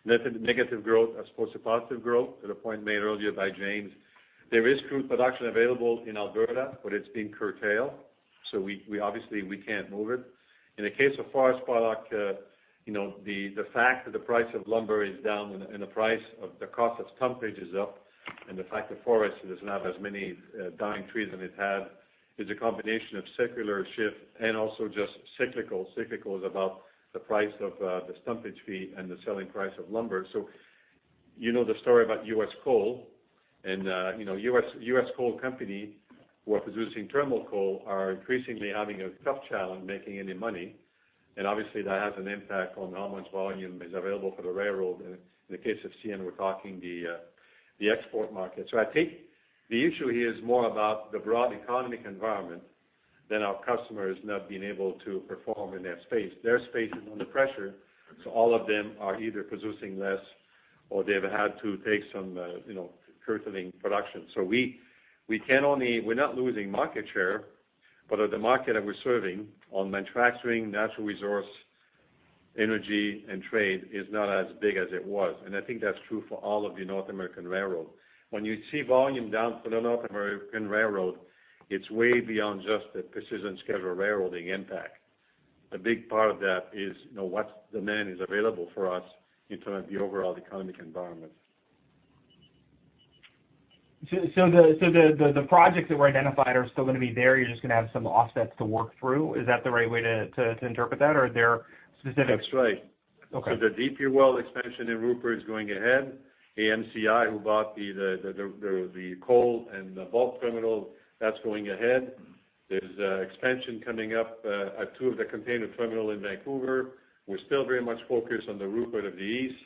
negative growth as opposed to positive growth, to the point made earlier by James. There is crude production available in Alberta, but it's being curtailed. So we obviously can't move it. In the case of forest product, you know, the fact that the price of lumber is down and the price of the cost of frontage is up, and the fact the forest is not as many dying trees than it had, is a combination of secular shift and also just cyclical. Cyclical is about the price of the frontage fee and the selling price of lumber. So, you know, the story about U.S. coal and, you know, U.S., U.S. coal company who are producing thermal coal are increasingly having a tough challenge making any money. And obviously, that has an impact on how much volume is available for the railroad. In the case of CN, we're talking the export market. So I think the issue here is more about the broad economic environment than our customers not being able to perform in their space. Their space is under pressure, so all of them are either producing less, or they've had to take some, you know, curtailing production. So we, we can only-- we're not losing market share, but the market that we're serving on manufacturing, natural resource, energy, and trade is not as big as it was, and I think that's true for all of the North American railroad. When you see volume down for the North American railroad, it's way beyond just the Precision Scheduled Railroading impact. A big part of that is, you know, what demand is available for us in terms of the overall economic environment. So the projects that were identified are still gonna be there. You're just gonna have some offsets to work through. Is that the right way to interpret that? Or are there specifics? That's right. Okay. So the deep oil expansion in Rupert is going ahead. AMCI, who bought the coal and the bulk terminal, that's going ahead. There's expansion coming up at two of the container terminal in Vancouver. We're still very much focused on the Rupert of the East.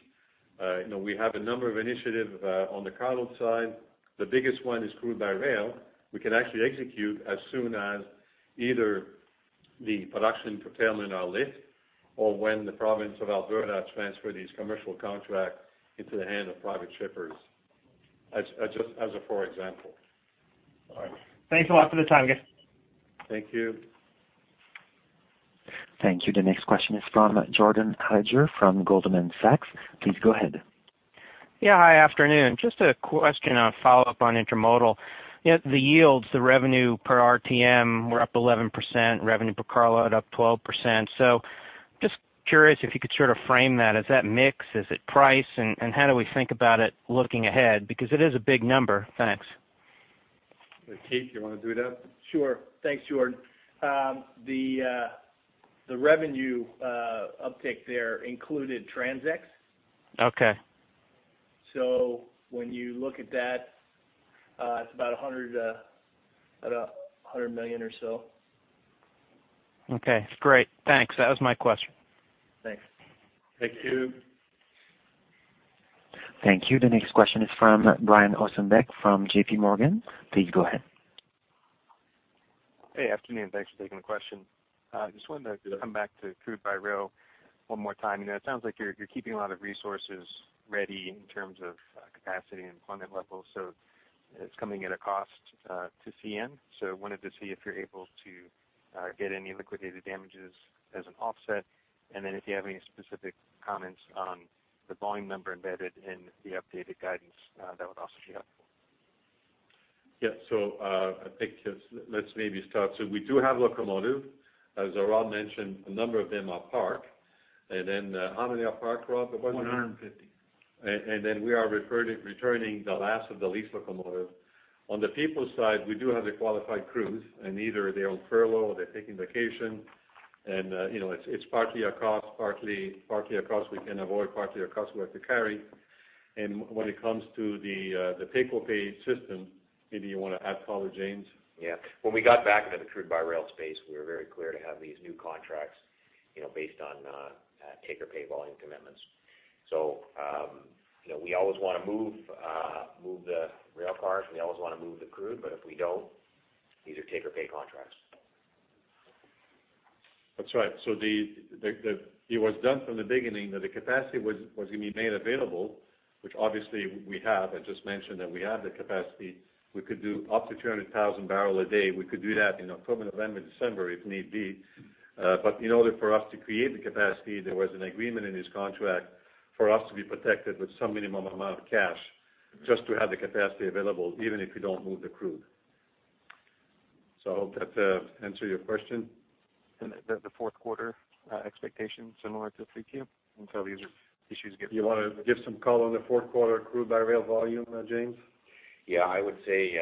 You know, we have a number of initiatives on the cargo side. The biggest one is crude by rail. We can actually execute as soon as either the production curtailment are lift or when the province of Alberta transfer these commercial contracts into the hand of private shippers. As just as a for example. All right. Thanks a lot for the time, guys. Thank you. Thank you. The next question is from Jordan Alliger from Goldman Sachs. Please go ahead. Yeah, hi, afternoon. Just a question, a follow-up on intermodal. You know, the yields, the revenue per RTM were up 11%, revenue per carload up 12%. So just curious if you could sort of frame that. Is that mix? Is it price? And, and how do we think about it looking ahead? Because it is a big number. Thanks. Keith, you wanna do that? Sure. Thanks, Jordan. The revenue uptick there included transits. Okay. So when you look at that, it's about 100 million or so. Okay, great. Thanks. That was my question. Thanks. Thank you. Thank you. The next question is from Brian Ossenbeck, from J.P. Morgan. Please go ahead. Hey, afternoon. Thanks for taking the question. Just wanted to come back to crude by rail one more time. You know, it sounds like you're keeping a lot of resources ready in terms of capacity and employment levels, so it's coming at a cost to CN. So wanted to see if you're able to get any liquidated damages as an offset, and then if you have any specific comments on the volume number embedded in the updated guidance, that would also be helpful. Yeah. So, I think let's, let's maybe start. So we do have locomotive. As Rob mentioned, a number of them are parked, and then, how many are parked, Rob? It was- 150. And then we are returning the last of the leased locomotives. On the people side, we do have the qualified crews, and either they're on furlough or they're taking vacation. You know, it's partly a cost we can avoid, partly a cost we have to carry. When it comes to the take-or-pay system, maybe you wanna add, follow, James? Yeah. When we got back into the crude by rail space, we were very clear to have these new contracts, you know, based on take-or-pay volume commitments. So, you know, we always wanna move the rail cars. We always wanna move the crude, but if we don't, these are take-or-pay contracts. That's right. So it was done from the beginning, that the capacity was gonna be made available, which obviously we have. I just mentioned that we have the capacity. We could do up to 200,000 barrel a day. We could do that in October, November, December, if need be. But in order for us to create the capacity, there was an agreement in this contract for us to be protected with some minimum amount of cash, just to have the capacity available, even if we don't move the crude. So I hope that answer your question. The fourth quarter expectation similar to 3Q until these issues get- You wanna give some color on the fourth quarter crude by rail volume, James? Yeah, I would say,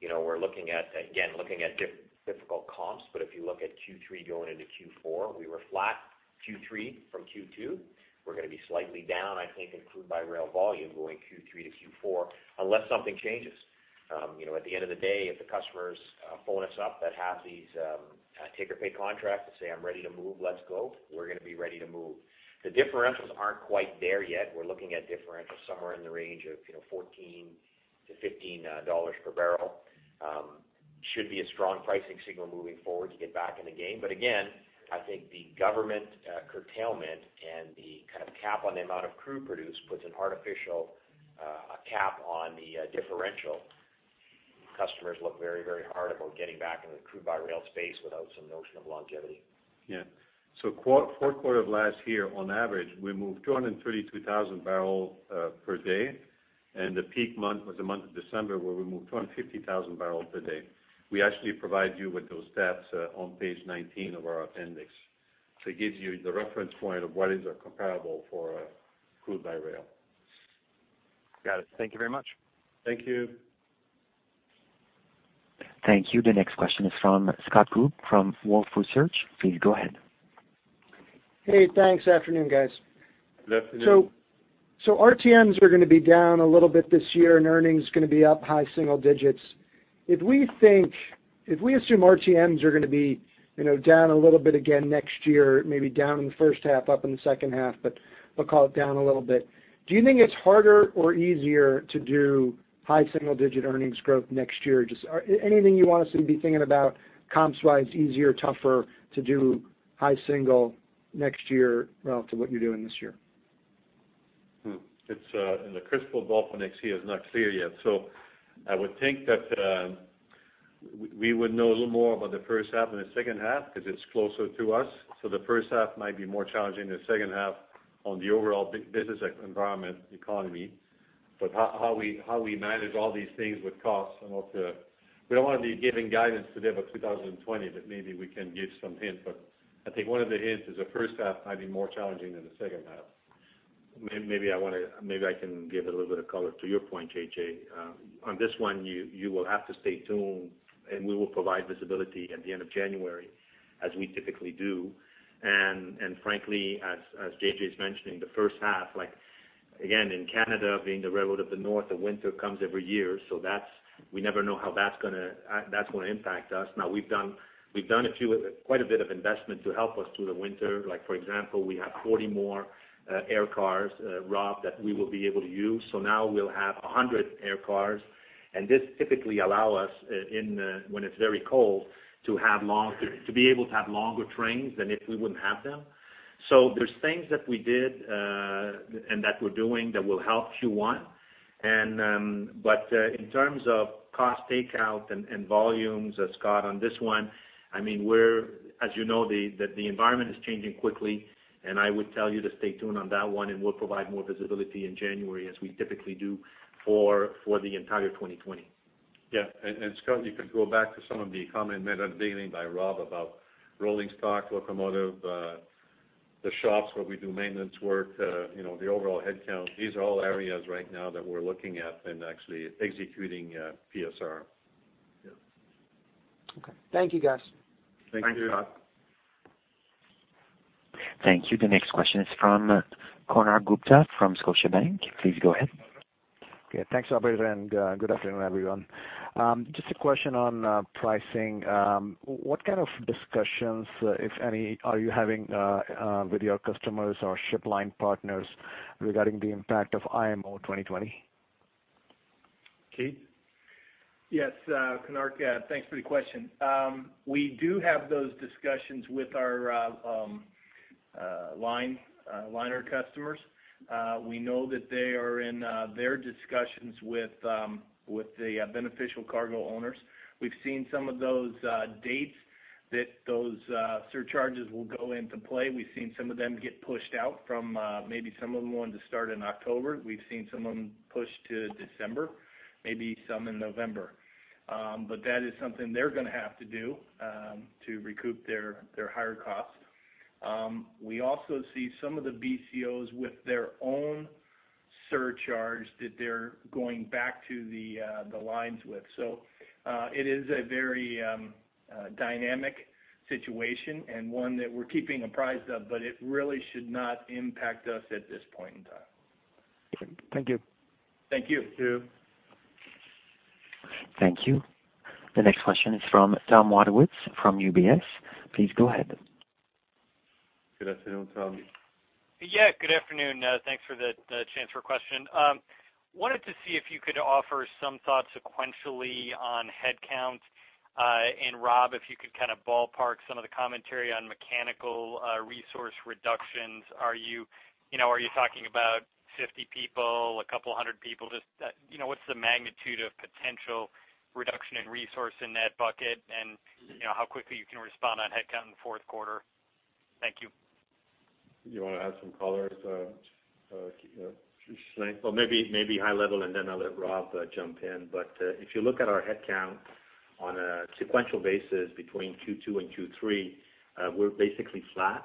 you know, we're looking at, again, looking at difficult comps, but if you look at Q3 going into Q4, we were flat, Q3 from Q2. We're gonna be slightly down, I think, in crude by rail volume going Q3 to Q4, unless something changes. You know, at the end of the day, if the customers phone us up that have these take-or-pay contracts and say, "I'm ready to move, let's go," we're gonna be ready to move. The differentials aren't quite there yet. We're looking at differentials somewhere in the range of, you know, $14-$15 per barrel.... should be a strong pricing signal moving forward to get back in the game. But again, I think the government curtailment and the kind of cap on the amount of crude produced puts an artificial cap on the differential. Customers look very, very hard about getting back into the crude by rail space without some notion of longevity. Yeah. So fourth quarter of last year, on average, we moved 232,000 barrels per day, and the peak month was the month of December, where we moved 250,000 barrels per day. We actually provide you with those stats on page 19 of our appendix. So it gives you the reference point of what is a comparable for crude by rail. Got it. Thank you very much. Thank you. Thank you. The next question is from Scott Poole from Wolfe Research. Please go ahead. Hey, thanks. Afternoon, guys. Good afternoon. So, RTMs are gonna be down a little bit this year, and earnings is gonna be up high single digits. If we assume RTMs are gonna be, you know, down a little bit again next year, maybe down in the first half, up in the second half, but we'll call it down a little bit, do you think it's harder or easier to do high single digit earnings growth next year? Just, anything you want us to be thinking about comps-wise, easier, tougher to do high single next year relative to what you're doing this year? It's and the crystal ball for next year is not clear yet. So I would think that we would know a little more about the first half and the second half, because it's closer to us. So the first half might be more challenging than the second half on the overall business environment, economy. But how we manage all these things with costs and what the... We don't want to be giving guidance today about 2020, but maybe we can give some hint. But I think one of the hints is the first half might be more challenging than the second half. Maybe I can give a little bit of color to your point, JJ. On this one, you will have to stay tuned, and we will provide visibility at the end of January, as we typically do. And frankly, as JJ is mentioning, the first half, like, again, in Canada, being the railroad of the north, the winter comes every year, so we never know how that's gonna impact us. Now, we've done quite a bit of investment to help us through the winter. Like, for example, we have 40 more air cars, Rob, that we will be able to use. So now we'll have 100 air cars, and this typically allow us, when it's very cold, to be able to have longer trains than if we wouldn't have them. So there's things that we did, and that we're doing that will help Q1. But in terms of cost takeout and volumes, as Scott, on this one, I mean, we're, as you know, the environment is changing quickly, and I would tell you to stay tuned on that one, and we'll provide more visibility in January, as we typically do, for the entire 2020. Yeah, and Scott, you could go back to some of the comments made at the beginning by Rob about rolling stock, locomotive, the shops where we do maintenance work, you know, the overall headcount. These are all areas right now that we're looking at and actually executing PSR. Yeah. Okay. Thank you, guys. Thank you, Rob. Thank you. The next question is from Konark Gupta from Scotiabank. Please go ahead. Yeah, thanks, operator, and good afternoon, everyone. Just a question on pricing. What kind of discussions, if any, are you having with your customers or shipping line partners regarding the impact of IMO 2020? Keith? Yes, Konark, thanks for the question. We do have those discussions with our liner customers. We know that they are in their discussions with the beneficial cargo owners. We've seen some of those dates that those surcharges will go into play. We've seen some of them get pushed out from, maybe some of them wanted to start in October. We've seen some of them push to December, maybe some in November. But that is something they're gonna have to do, to recoup their higher costs. We also see some of the BCOs with their own surcharge that they're going back to the lines with. It is a very dynamic situation and one that we're keeping apprised of, but it really should not impact us at this point in time. Thank you. Thank you. Thank you. Thank you. The next question is from Thomas Wadewitz from UBS. Please go ahead. Good afternoon, Tom. Yeah, good afternoon. Thanks for the, the chance for a question. Wanted to see if you could offer some thoughts sequentially on headcount. And Rob, if you could kind of ballpark some of the commentary on mechanical resource reductions. Are you, you know, are you talking about 50 people, a couple 100 people? Just, you know, what's the magnitude of potential reduction in resource in that bucket? And, you know, how quickly you can respond on headcount in the fourth quarter. Thank you. You wanna add some color, Shane? Well, maybe, maybe high level, and then I'll let Rob jump in. But if you look at our headcount on a sequential basis between Q2 and Q3, we're basically flat.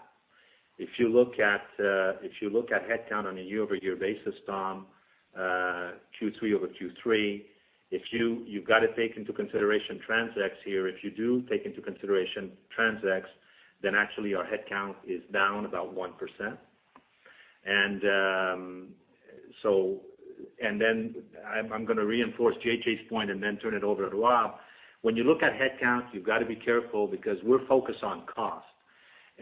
If you look at headcount on a year-over-year basis, Tom, Q3 over Q3, you've got to take into consideration TransX here. If you do take into consideration TransX, then actually our headcount is down about 1%. And so and then I'm gonna reinforce JJ's point and then turn it over to Rob. When you look at headcount, you've got to be careful because we're focused on cost...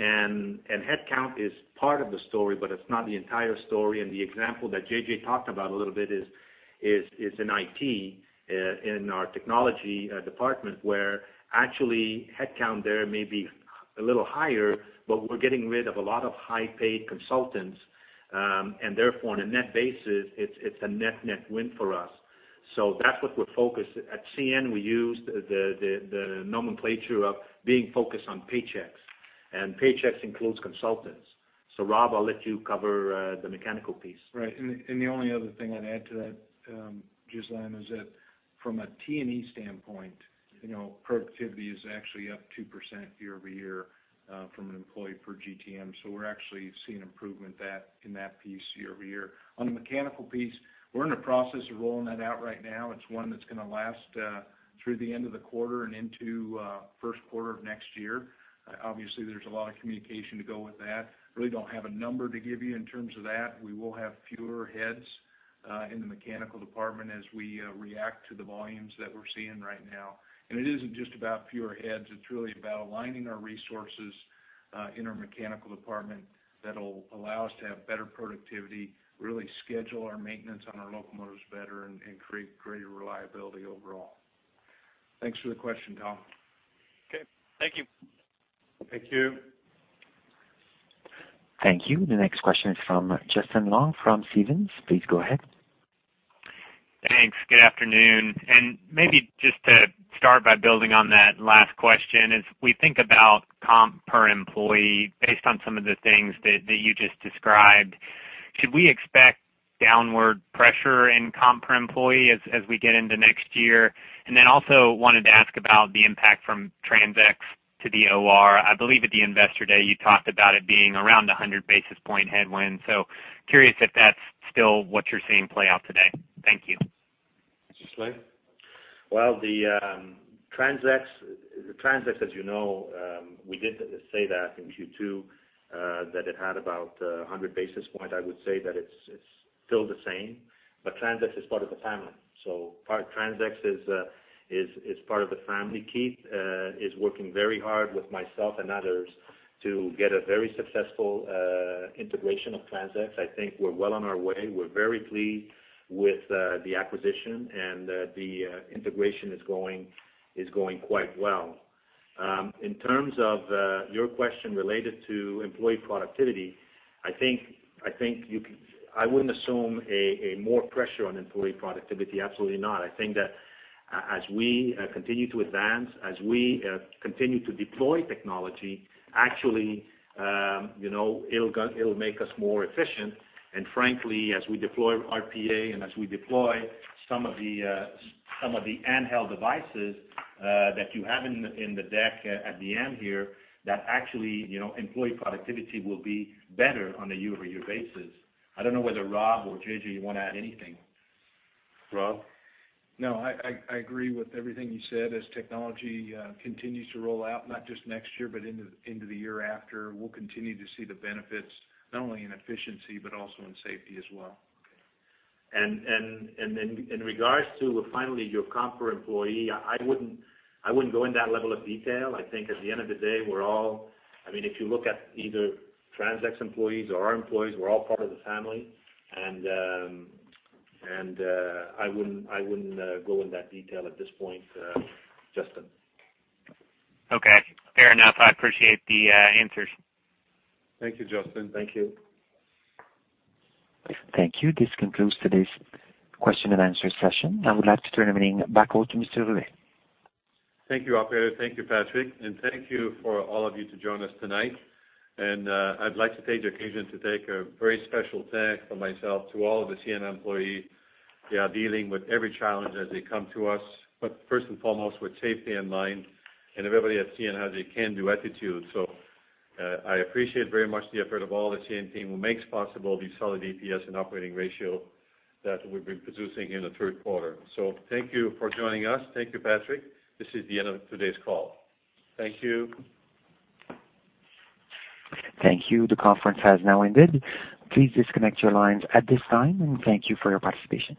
And headcount is part of the story, but it's not the entire story. And the example that JJ talked about a little bit is in IT, in our technology department, where actually headcount there may be a little higher, but we're getting rid of a lot of high-paid consultants. And therefore, on a net basis, it's a net-net win for us. So that's what we're focused. At CN, we use the nomenclature of being focused on paychecks, and paychecks includes consultants. So Rob, I'll let you cover the mechanical piece. Right. And the only other thing I'd add to that, Ghislain, is that from a T&E standpoint, you know, productivity is actually up 2% year-over-year, from an employee per GTM. So we're actually seeing improvement that in that piece year-over-year. On the mechanical piece, we're in the process of rolling that out right now. It's one that's gonna last through the end of the quarter and into first quarter of next year. Obviously, there's a lot of communication to go with that. I really don't have a number to give you in terms of that. We will have fewer heads in the mechanical department as we react to the volumes that we're seeing right now. It isn't just about fewer heads. It's really about aligning our resources in our mechanical department that'll allow us to have better productivity, really schedule our maintenance on our locomotives better, and create greater reliability overall. Thanks for the question, Tom. Okay, thank you. Thank you. Thank you. The next question is from Justin Long, from Stephens. Please go ahead. Thanks. Good afternoon, and maybe just to start by building on that last question, as we think about comp per employee, based on some of the things that you just described, should we expect downward pressure in comp per employee as we get into next year? And then also wanted to ask about the impact from TransX to the OR. I believe at the Investor Day, you talked about it being around 100 basis points headwind. So curious if that's still what you're seeing play out today. Thank you. Ghislain? Well, the TransX, as you know, we did say that in Q2, that it had about 100 basis point. I would say that it's still the same, but TransX is part of the family. So TransX is part of the family. Keith is working very hard with myself and others to get a very successful integration of TransX. I think we're well on our way. We're very pleased with the acquisition and the integration is going quite well. In terms of your question related to employee productivity, I think you can—I wouldn't assume a more pressure on employee productivity. Absolutely not. I think that as we continue to advance, as we continue to deploy technology, actually, you know, it'll make us more efficient. And frankly, as we deploy RPA and as we deploy some of the handheld devices that you have in the deck at the end here, that actually, you know, employee productivity will be better on a year-over-year basis. I don't know whether Rob or JJ, you want to add anything. Rob? No, I agree with everything you said. As technology continues to roll out, not just next year, but into the year after, we'll continue to see the benefits, not only in efficiency, but also in safety as well. And then in regards to, finally, your comp per employee, I wouldn't go in that level of detail. I think at the end of the day, we're all—I mean, if you look at either TransX employees or our employees, we're all part of the family, and I wouldn't go in that detail at this point, Justin. Okay, fair enough. I appreciate the answers. Thank you, Justin. Thank you. Thank you. This concludes today's question and answer session. I would like to turn everything back over to Mr. Riviere. Thank you, operator. Thank you, Patrick, and thank you for all of you to join us tonight. I'd like to take the occasion to take a very special thanks from myself to all of the CN employees. They are dealing with every challenge as they come to us, but first and foremost, with safety in mind and everybody at CN has a can-do attitude. I appreciate very much the effort of all the CN team, who makes possible the solid EPS and operating ratio that we've been producing in the third quarter. So thank you for joining us. Thank you, Patrick. This is the end of today's call. Thank you. Thank you. The conference has now ended. Please disconnect your lines at this time, and thank you for your participation.